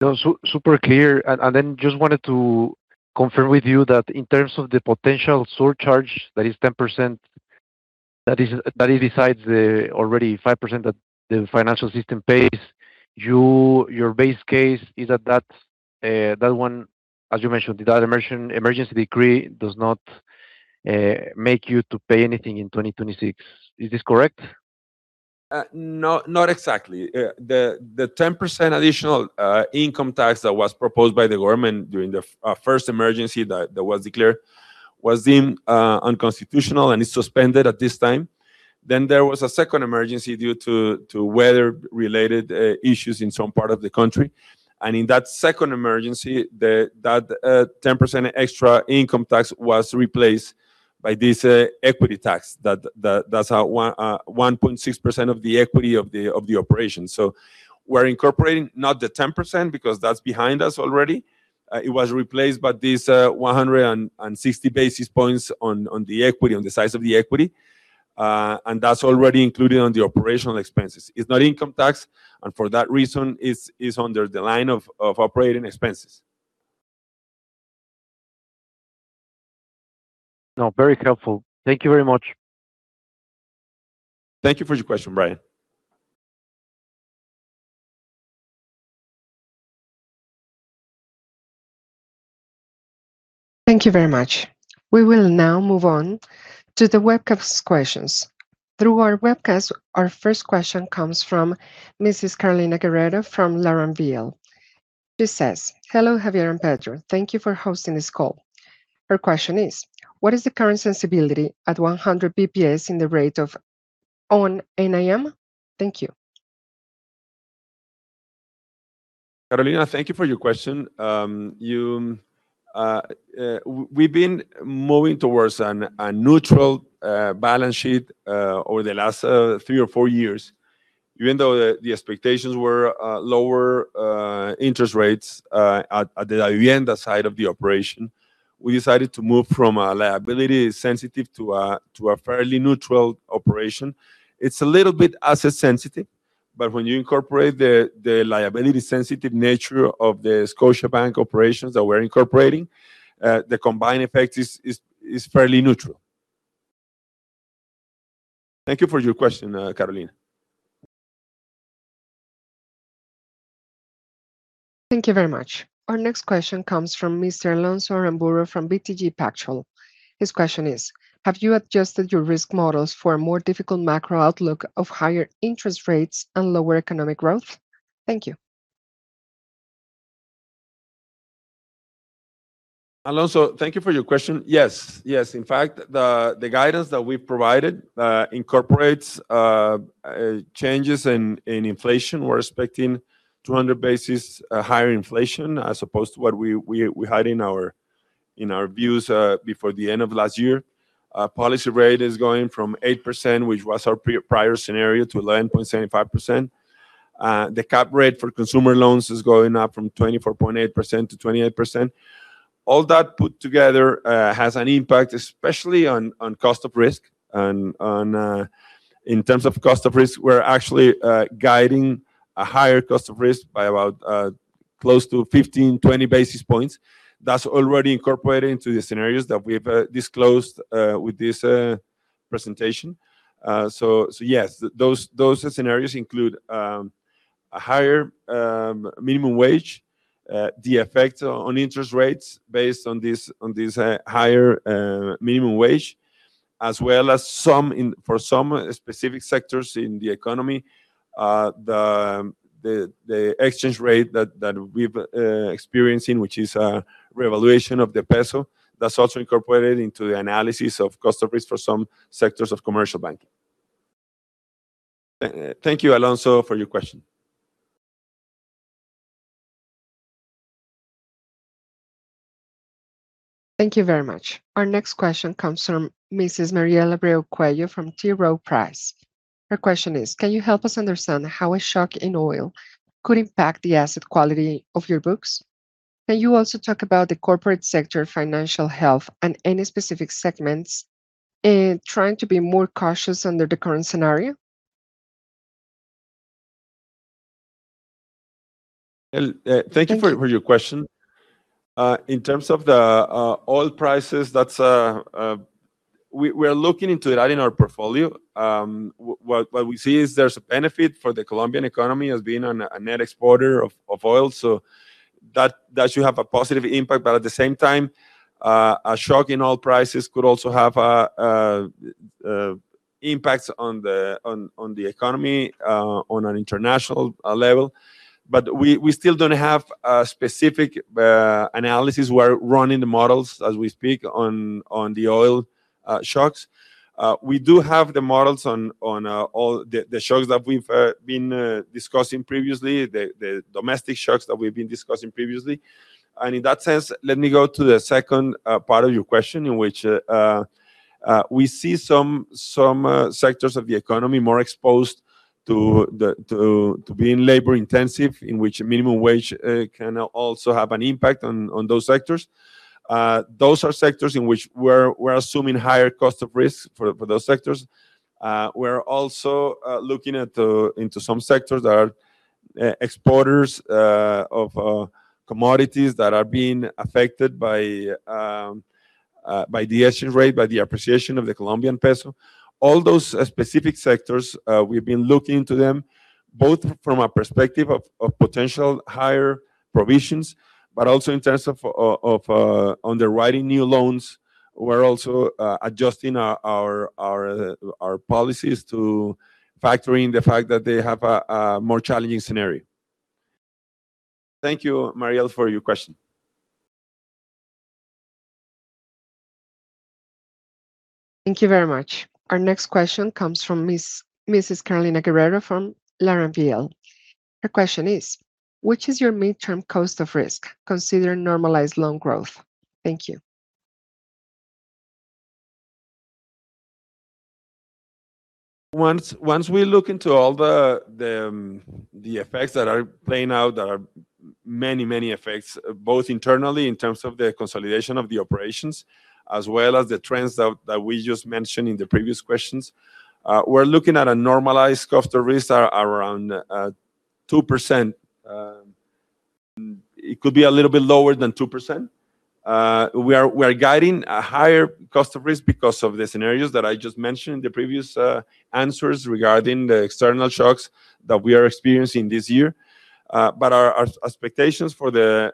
No, super clear. Then just wanted to confirm with you that in terms of the potential surcharge that is 10%, that is besides the already 5% that the financial system pays, your base case is that one, as you mentioned, that emergency decree does not make you to pay anything in 2026. Is this correct? Not exactly. The 10% additional income tax that was proposed by the government during the first emergency that was declared was deemed unconstitutional and is suspended at this time. There was a second emergency due to weather-related issues in some part of the country. In that second emergency, that 10% extra income tax was replaced by this equity tax that's a 1.6% of the equity of the operation. We're incorporating not the 10% because that's behind us already. It was replaced by this 160 basis points on the equity, on the size of the equity. And that's already included on the operational expenses. It's not income tax, and for that reason it's under the line of operating expenses. No, very helpful. Thank you very much. Thank you for your question, Brian. Thank you very much. We will now move on to the webcast questions. Through our webcast, our first question comes from Carolina Guerrero from LarrainVial. She says, "Hello, Javier and Pedro. Thank you for hosting this call." Her question is, "What is the current sensitivity at 100 BPS in the rate on NIM? Thank you. Carolina, thank you for your question. We've been moving towards a neutral balance sheet over the last three or four years. Even though the expectations were lower interest rates at the Davivienda side of the operation, we decided to move from a liability sensitive to a fairly neutral operation. It's a little bit asset sensitive, but when you incorporate the liability sensitive nature of the Scotiabank operations that we're incorporating, the combined effect is fairly neutral. Thank you for your question, Carolina. Thank you very much. Our next question comes from Mr. Alonso Aramburu from BTG Pactual. His question is, "Have you adjusted your risk models for a more difficult macro outlook of higher interest rates and lower economic growth? Thank you. Alonso, thank you for your question. Yes. In fact, the guidance that we've provided incorporates changes in inflation. We're expecting 200 basis higher inflation as opposed to what we had in our views before the end of last year. Our policy rate is going from 8%, which was our prior scenario, to 11.75%. The cap rate for consumer loans is going up from 24.8%-28%. All that put together has an impact, especially on cost of risk and on, in terms of cost of risk, we're actually guiding a higher cost of risk by about close to 15, 20 basis points. That's already incorporated into the scenarios that we've disclosed with this presentation. Yes, those scenarios include a higher minimum wage, the effect on interest rates based on this higher minimum wage, as well as for some specific sectors in the economy, the exchange rate that we've experiencing, which is a revaluation of the peso. That's also incorporated into the analysis of cost of risk for some sectors of commercial banking. Thank you, Alonso, for your question. Thank you very much. Our next question comes from Mrs. Mariel Abreu from T. Rowe Price. Her question is: Can you help us understand how a shock in oil could impact the asset quality of your books? Can you also talk about the corporate sector financial health and any specific segments in trying to be more cautious under the current scenario? Alonso, thank you for your question. In terms of the oil prices, that's we're looking into that in our portfolio. What we see is there's a benefit for the Colombian economy as being a net exporter of oil, so that should have a positive impact. At the same time, a shock in oil prices could also have impacts on the economy on an international level. We still don't have a specific analysis. We're running the models as we speak on the oil shocks. We do have the models on all the shocks that we've been discussing previously, the domestic shocks that we've been discussing previously. In that sense, let me go to the second part of your question, in which we see some sectors of the economy more exposed to being labor intensive, in which minimum wage can also have an impact on those sectors. Those are sectors in which we're assuming higher cost of risk for those sectors. We're also looking into some sectors that are exporters of commodities that are being affected by the exchange rate, by the appreciation of the Colombian peso. All those specific sectors, we've been looking into them both from a perspective of potential higher provisions, but also in terms of underwriting new loans. We're also adjusting our policies to factoring the fact that they have a more challenging scenario. Thank you, Mariel, for your question. Thank you very much. Our next question comes from Carolina Guerrero from LarrainVial. Her question is: Which is your midterm cost of risk considering normalized loan growth? Thank you. Once we look into all the effects that are playing out, there are many effects, both internally in terms of the consolidation of the operations, as well as the trends that we just mentioned in the previous questions. We're looking at a normalized cost of risk around 2%. It could be a little bit lower than 2%. We are guiding a higher cost of risk because of the scenarios that I just mentioned in the previous answers regarding the external shocks that we are experiencing this year. Our expectations for the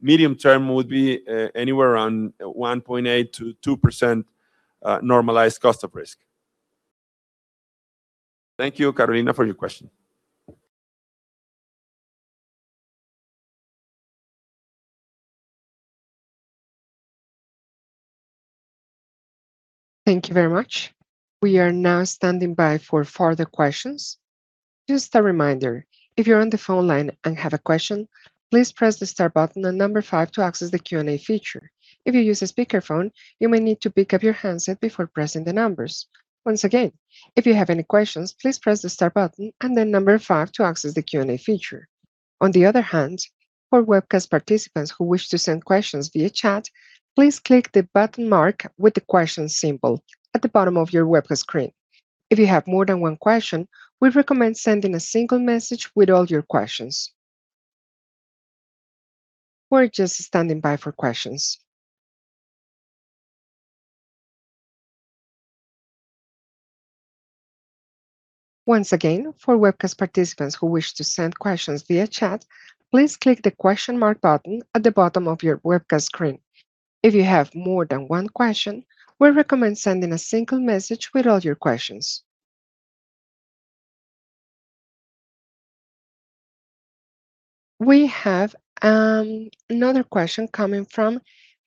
medium term would be around 1.8%-2% normalized cost of risk. Thank you, Carolina, for your question. Thank you very much. We are now standing by for further questions. Just a reminder, if you're on the phone line and have a question, please press the star button and number five to access the Q&A feature. If you use a speakerphone, you may need to pick up your handset before pressing the numbers. Once again, if you have any questions, please press the star button and then number five to access the Q&A feature. On the other hand, for webcast participants who wish to send questions via chat, please click the button marked with the question symbol at the bottom of your webcast screen. If you have more than one question, we recommend sending a single message with all your questions. We're just standing by for questions. Once again, for webcast participants who wish to send questions via chat, please click the question mark button at the bottom of your webcast screen. If you have more than one question, we recommend sending a single message with all your questions. We have another question coming from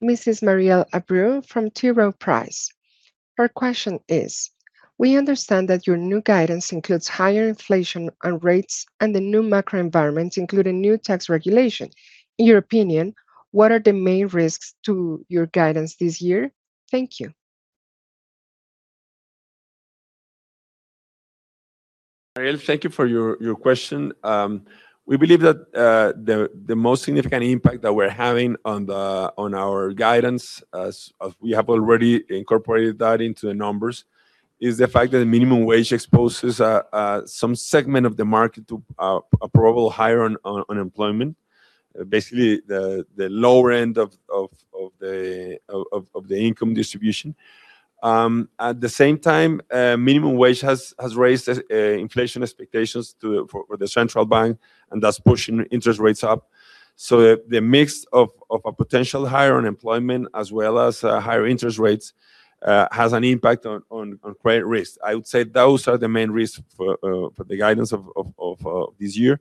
Mrs. Mariel Abreu from T. Rowe Price. Her question is: We understand that your new guidance includes higher inflation and rates and the new macro environment, including new tax regulation. In your opinion, what are the main risks to your guidance this year? Thank you. Mariel, thank you for your question. We believe that the most significant impact that we're having on our guidance, as we have already incorporated that into the numbers, is the fact that minimum wage exposes some segment of the market to a probable higher unemployment. Basically the lower end of the income distribution. At the same time, minimum wage has raised inflation expectations too for the central bank, and thus pushing interest rates up. The mix of a potential higher unemployment as well as higher interest rates has an impact on credit risk. I would say those are the main risks for the guidance of this year.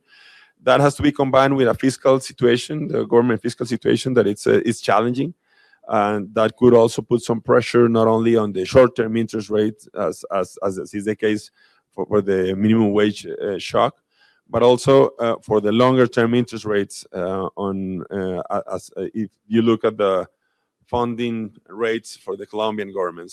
That has to be combined with a fiscal situation, the government fiscal situation that is challenging. That could also put some pressure not only on the short-term interest rates as is the case for the minimum wage shock, but also for the longer-term interest rates, as if you look at the funding rates for the Colombian government.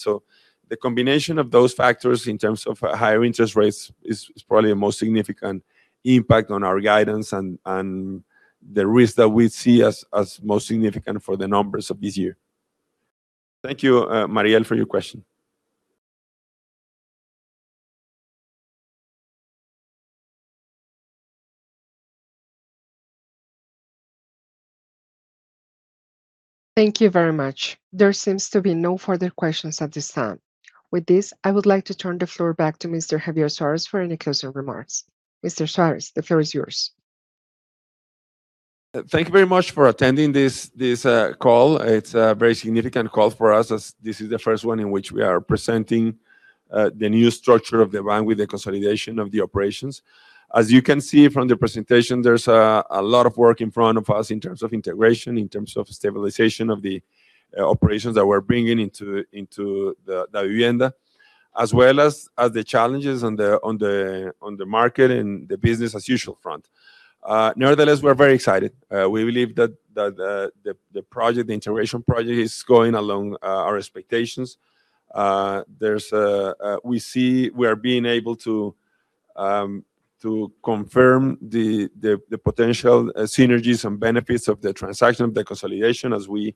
The combination of those factors in terms of higher interest rates is probably the most significant impact on our guidance and the risk that we see as most significant for the numbers of this year. Thank you, Mariel, for your question. Thank you very much. There seems to be no further questions at this time. With this, I would like to turn the floor back to Mr. Javier Suárez for any closing remarks. Mr. Suárez, the floor is yours. Thank you very much for attending this call. It's a very significant call for us as this is the first one in which we are presenting the new structure of the bank with the consolidation of the operations. As you can see from the presentation, there's a lot of work in front of us in terms of integration, in terms of stabilization of the operations that we're bringing into the Davivienda, as well as the challenges on the market and the business as usual front. Nevertheless, we're very excited. We believe that the integration project is going along our expectations. We see we are being able to confirm the potential synergies and benefits of the transaction, the consolidation as we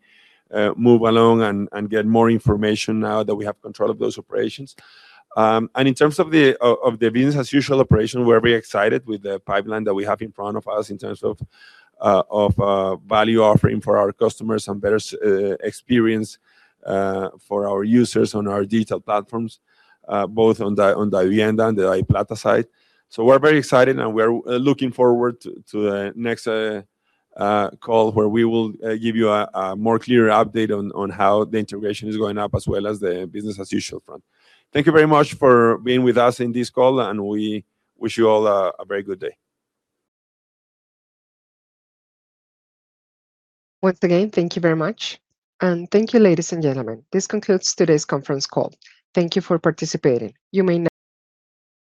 move along and get more information now that we have control of those operations. In terms of the business as usual operation, we're very excited with the pipeline that we have in front of us in terms of value offering for our customers and better experience for our users on our digital platforms, both on the Davivienda and the DaviPlata side. We're very excited, and we're looking forward to the next call where we will give you a more clearer update on how the integration is going up as well as the business as usual front. Thank you very much for being with us in this call, and we wish you all a very good day. Once again, thank you very much. Thank you, ladies and gentlemen. This concludes today's conference call. Thank you for participating. You may now.